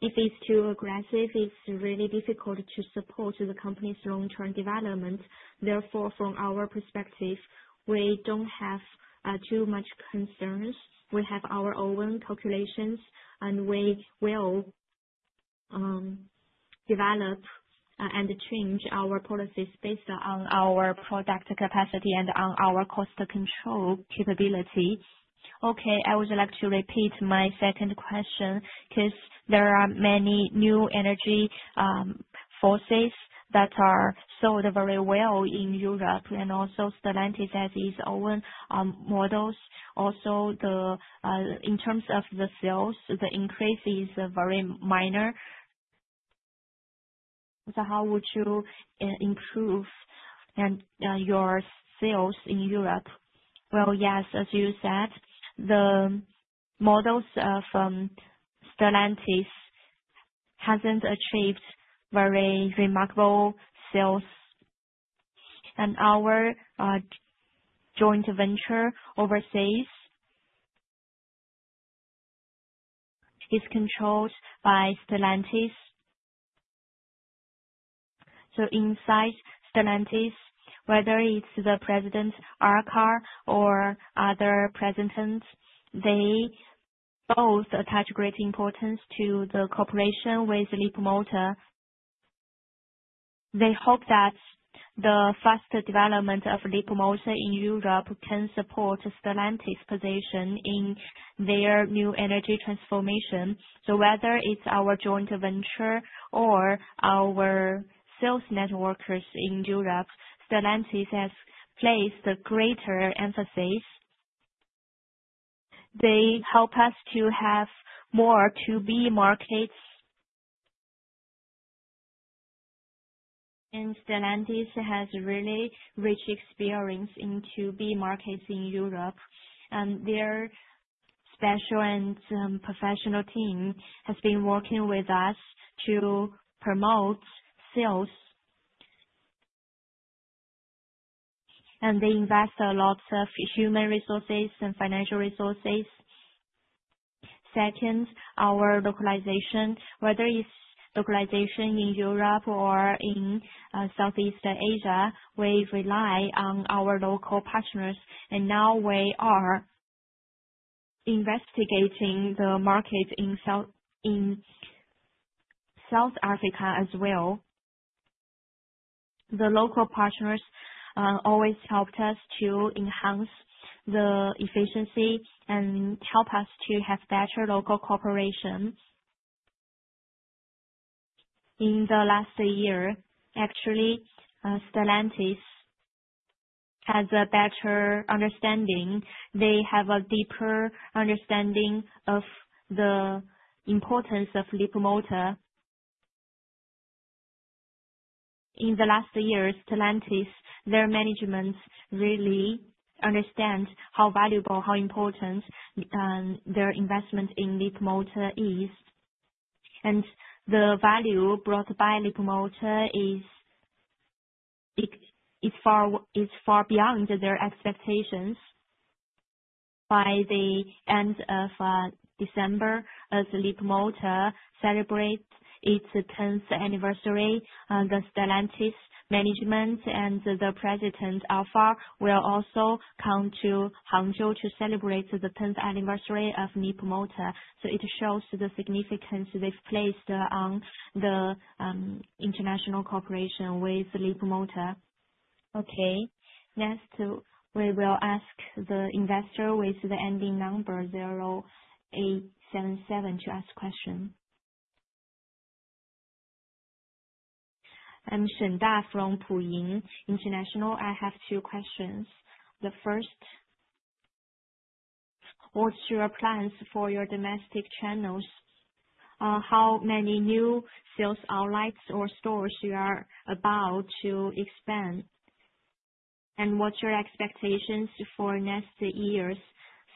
If it's too aggressive, it's really difficult to support the company's long-term development. Therefore, from our perspective, we don't have too much concerns. We have our own calculations, and we will develop and change our policies based on our product capacity and on our cost control capability. Okay. I would like to repeat my second question because there are many new energy forces that are sold very well in Europe. Also, Stellantis, as its own models, also in terms of the sales, the increase is very minor. How would you improve your sales in Europe? Yes, as you said, the models from Stellantis haven't achieved very remarkable sales. Our joint venture overseas is controlled by Stellantis. Inside Stellantis, whether it is the president, our car, or other presidents, they both attach great importance to the cooperation with Leapmotor. They hope that the fast development of Leapmotor in Europe can support Stellantis' position in their new energy transformation. Whether it is our joint venture or our sales network in Europe, Stellantis has placed greater emphasis. They help us to have more to-be markets. Stellantis has really rich experience in to-be markets in Europe. Their special and professional team has been working with us to promote sales. They invest a lot of human resources and financial resources. Second, our localization, whether it is localization in Europe or in Southeast Asia, we rely on our local partners. Now we are investigating the market in South Africa as well. The local partners always helped us to enhance the efficiency and help us to have better local cooperation. In the last year, actually, Stellantis has a better understanding. They have a deeper understanding of the importance of Leapmotor. In the last year, Stellantis, their management really understands how valuable, how important their investment in Leapmotor is. The value brought by Leapmotor is far beyond their expectations. By the end of December, as Leapmotor celebrates its 10th anniversary, the Stellantis management and the president, Alfa, will also come to Hangzhou to celebrate the 10th anniversary of Leapmotor. It shows the significance they've placed on the international cooperation with Leapmotor. Okay. Next, we will ask the investor with the ending number 0877 to ask a question. I'm Shen Da from Puying International. I have two questions. The first, what's your plans for your domestic channels? How many new sales outlets or stores you are about to expand? What are your expectations for next year's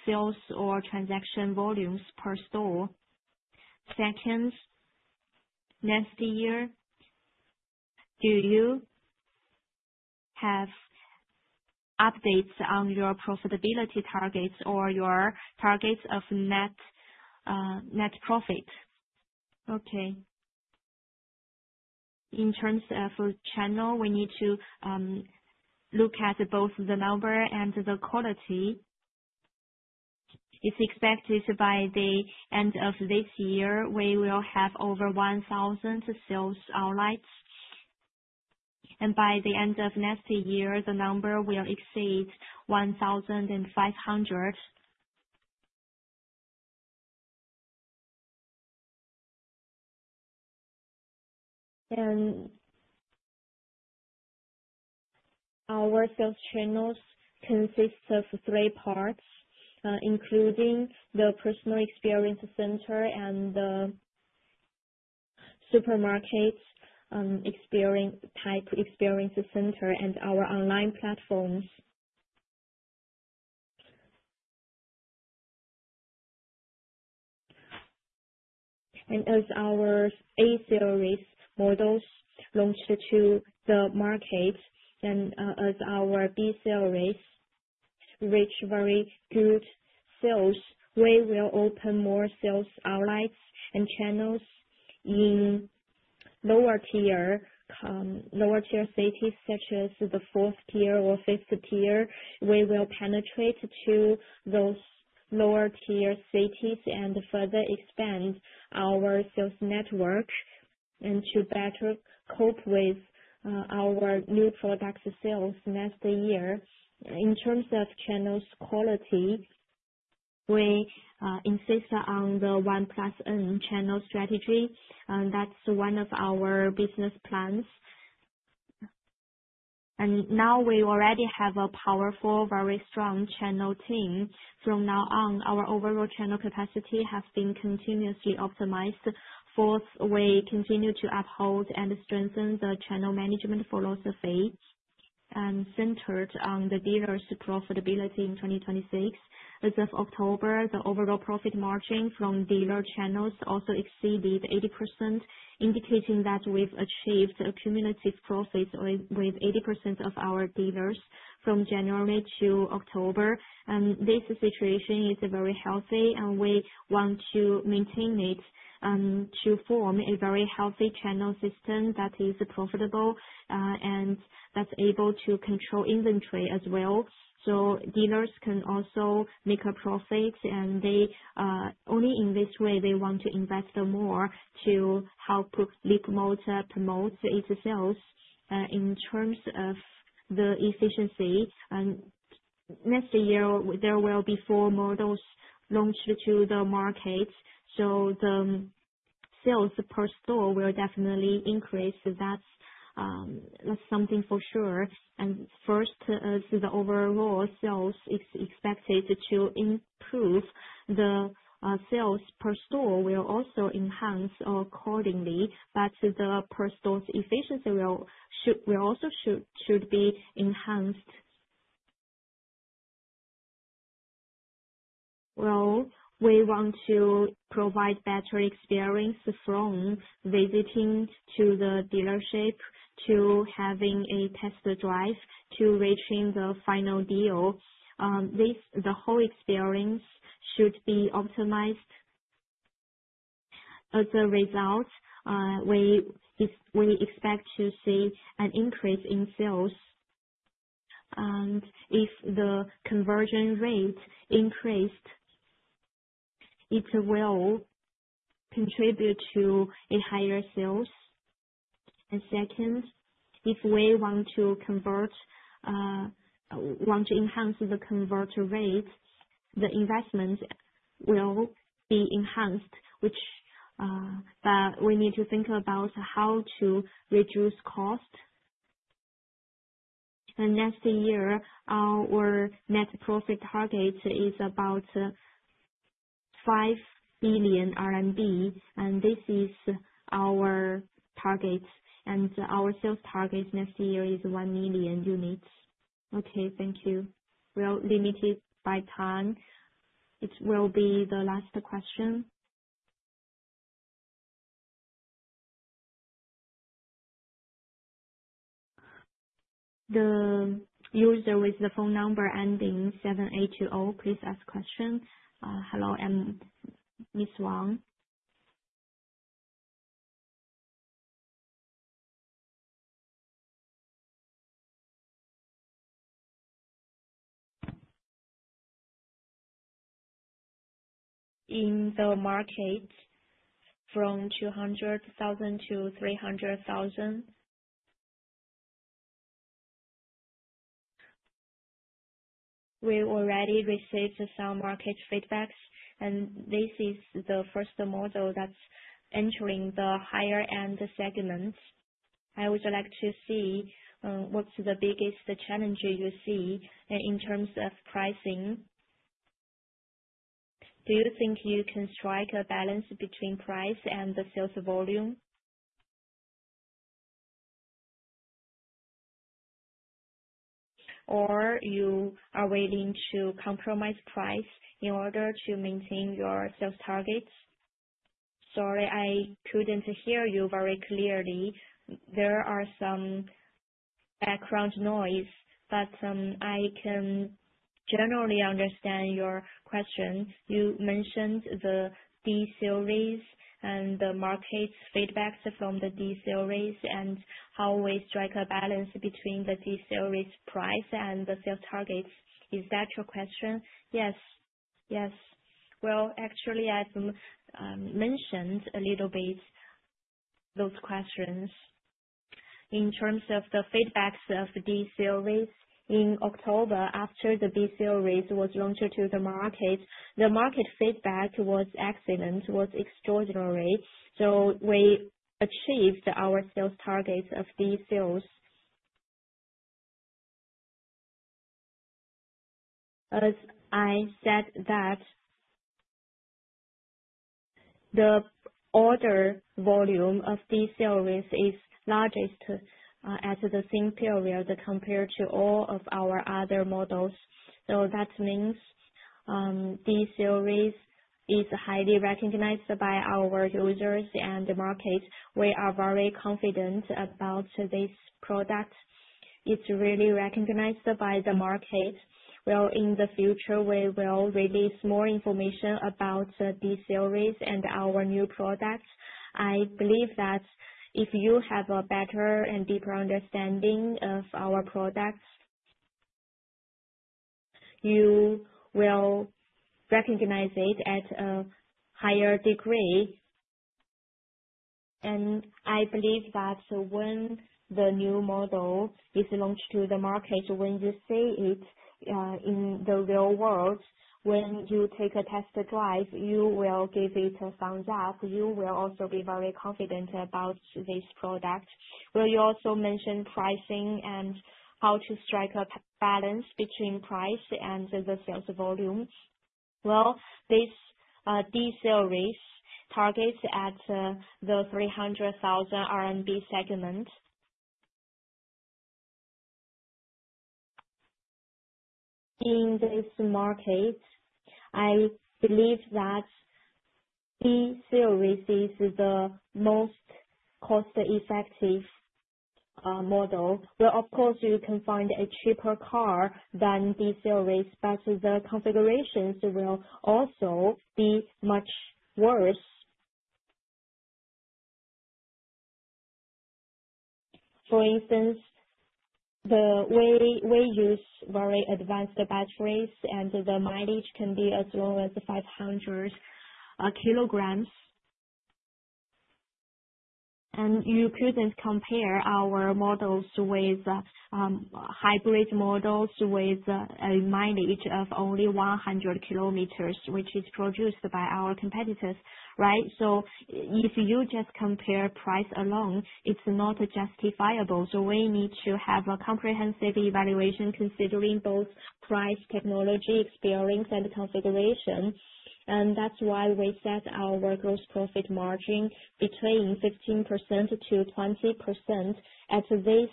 sales or transaction volumes per store? Second, next year, do you have updates on your profitability targets or your targets of net profit? Okay. In terms of channel, we need to look at both the number and the quality. It is expected by the end of this year, we will have over 1,000 sales outlets. By the end of next year, the number will exceed 1,500. Our sales channels consist of three parts, including the personal experience center, the supermarket type experience center, and our online platforms. As our A-Series models launch to the market and as our B-Series reach very good sales, we will open more sales outlets and channels in lower-tier cities such as the fourth tier or fifth tier. We will penetrate to those lower-tier cities and further expand our sales network to better cope with our new product sales next year. In terms of channels quality, we insist on the one-plus-channel strategy. That is one of our business plans. Now we already have a powerful, very strong channel team. From now on, our overall channel capacity has been continuously optimized. Fourth, we continue to uphold and strengthen the channel management philosophy centered on the dealer's profitability in 2026. As of October, the overall profit margin from dealer channels also exceeded 80%, indicating that we have achieved cumulative profits with 80% of our dealers from January to October. This situation is very healthy, and we want to maintain it to form a very healthy channel system that is profitable and that is able to control inventory as well. Dealers can also make a profit, and only in this way they want to invest more to help Leapmotor promote its sales. In terms of the efficiency, next year, there will be four models launched to the market. The sales per store will definitely increase. That's something for sure. First, as the overall sales is expected to improve, the sales per store will also enhance accordingly. The per-store efficiency will also be enhanced. We want to provide better experience from visiting to the dealership to having a test drive to reaching the final deal. The whole experience should be optimized. As a result, we expect to see an increase in sales. If the conversion rate increased, it will contribute to a higher sales. Second, if we want to enhance the convert rate, the investment will be enhanced, but we need to think about how to reduce cost. Next year, our net profit target is about 5 billion RMB, and this is our target. Our sales target next year is 1 million units. Okay. Thank you. We are limited by time. It will be the last question. The user with the phone number ending 7820, please ask a question. Hello, I'm Ms. Wang. In the market, from CNY 200,000-CNY 300,000. We already received some market feedbacks, and this is the first model that's entering the higher-end segment. I would like to see what's the biggest challenge you see in terms of pricing. Do you think you can strike a balance between price and the sales volume? Or are you willing to compromise price in order to maintain your sales targets? Sorry, I could not hear you very clearly. There is some background noise, but I can generally understand your question. You mentioned the D-Series and the market feedback from the D-Series and how we strike a balance between the D-Series price and the sales targets. Is that your question? Yes. Yes. Actually, I have mentioned a little bit those questions. In terms of the feedback of D-Series, in October, after the B-Series was launched to the market, the market feedback was excellent, was extraordinary. We achieved our sales targets of D-Series. As I said, the order volume of D-Series is largest at the same period compared to all of our other models. That means D-Series is highly recognized by our users and the market. We are very confident about this product. It is really recognized by the market. In the future, we will release more information about D-Series and our new products. I believe that if you have a better and deeper understanding of our products, you will recognize it at a higher degree. I believe that when the new model is launched to the market, when you see it in the real world, when you take a test drive, you will give it a thumbs up. You will also be very confident about this product. Will you also mention pricing and how to strike a balance between price and the sales volume? This D-Series targets at the 300,000 RMB segment. In this market, I believe that D-Series is the most cost-effective model. Of course, you can find a cheaper car than D-Series, but the configurations will also be much worse. For instance, we use very advanced batteries, and the mileage can be as low as 500 km. You could not compare our models with hybrid models with a mileage of only 100 km, which is produced by our competitors, right? If you just compare price alone, it is not justifiable. We need to have a comprehensive evaluation considering both price, technology, experience, and configuration. That is why we set our gross profit margin between 15%-20%. At this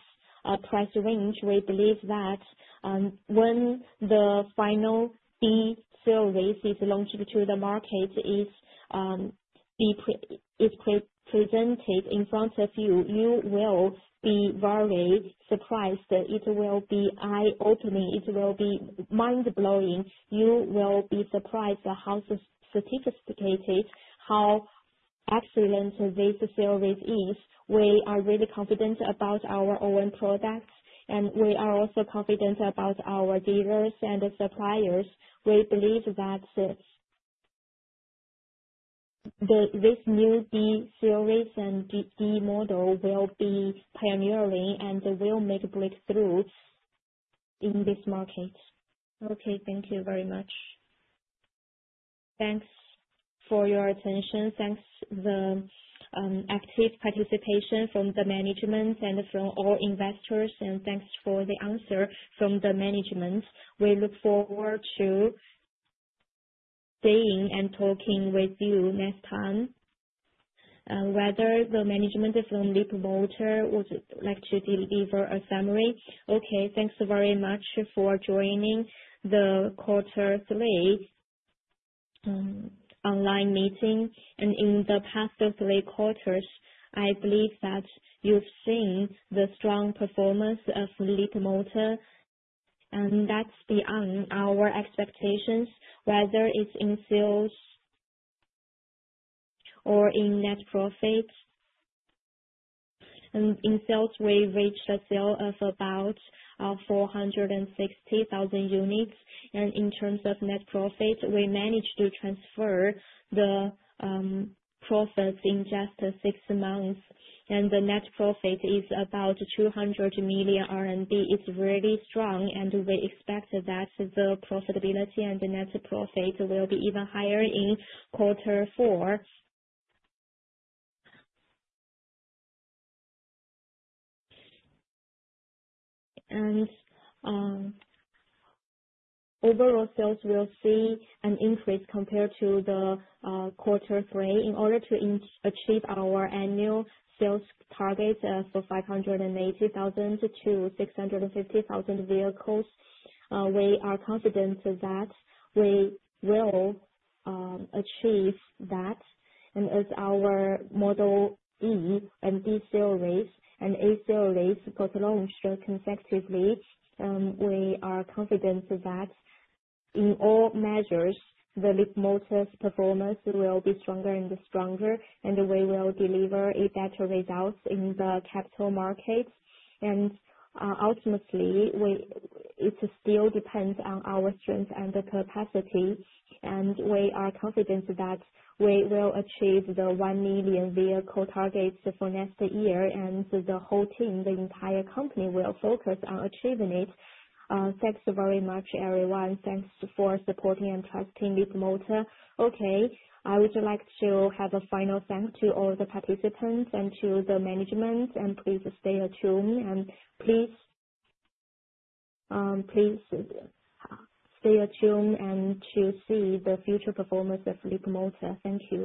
price range, we believe that when the final B-Series is launched to the market, it is presented in front of you, you will be very surprised. It will be eye-opening. It will be mind-blowing. You will be surprised how sophisticated, how excellent this series is. We are really confident about our own products, and we are also confident about our dealers and suppliers. We believe that this new B-Series and D-model will be pioneering and will make a breakthrough in this market. Okay. Thank you very much. Thanks for your attention. Thanks for the active participation from the management and from all investors, and thanks for the answer from the management. We look forward to seeing and talking with you next time, whether the management from Leapmotor would like to deliver a summary. Okay. Thanks very much for joining the quarter three online meeting. In the past three quarters, I believe that you've seen the strong performance of Leapmotor, and that's beyond our expectations, whether it's in sales or in net profit. In sales, we reached a sale of about 460,000 units. In terms of net profit, we managed to transfer the profits in just six months. The net profit is about 200 million RMB. It's really strong, and we expect that the profitability and the net profit will be even higher in quarter four. Overall sales will see an increase compared to quarter three. In order to achieve our annual sales target of 580,000-650,000 vehicles, we are confident that we will achieve that. As our model E-Series, D-Series, and A-Series got launched consecutively, we are confident that in all measures, Leapmotor's performance will be stronger and stronger, and we will deliver a better result in the capital markets. Ultimately, it still depends on our strength and capacity. We are confident that we will achieve the 1 million vehicle target for next year, and the whole team, the entire company, will focus on achieving it. Thanks very much, everyone. Thanks for supporting and trusting Leapmotor. Okay. I would like to have a final thank you to all the participants and to the management. Please stay tuned, and please stay tuned to see the future performance of Leapmotor. Thank you.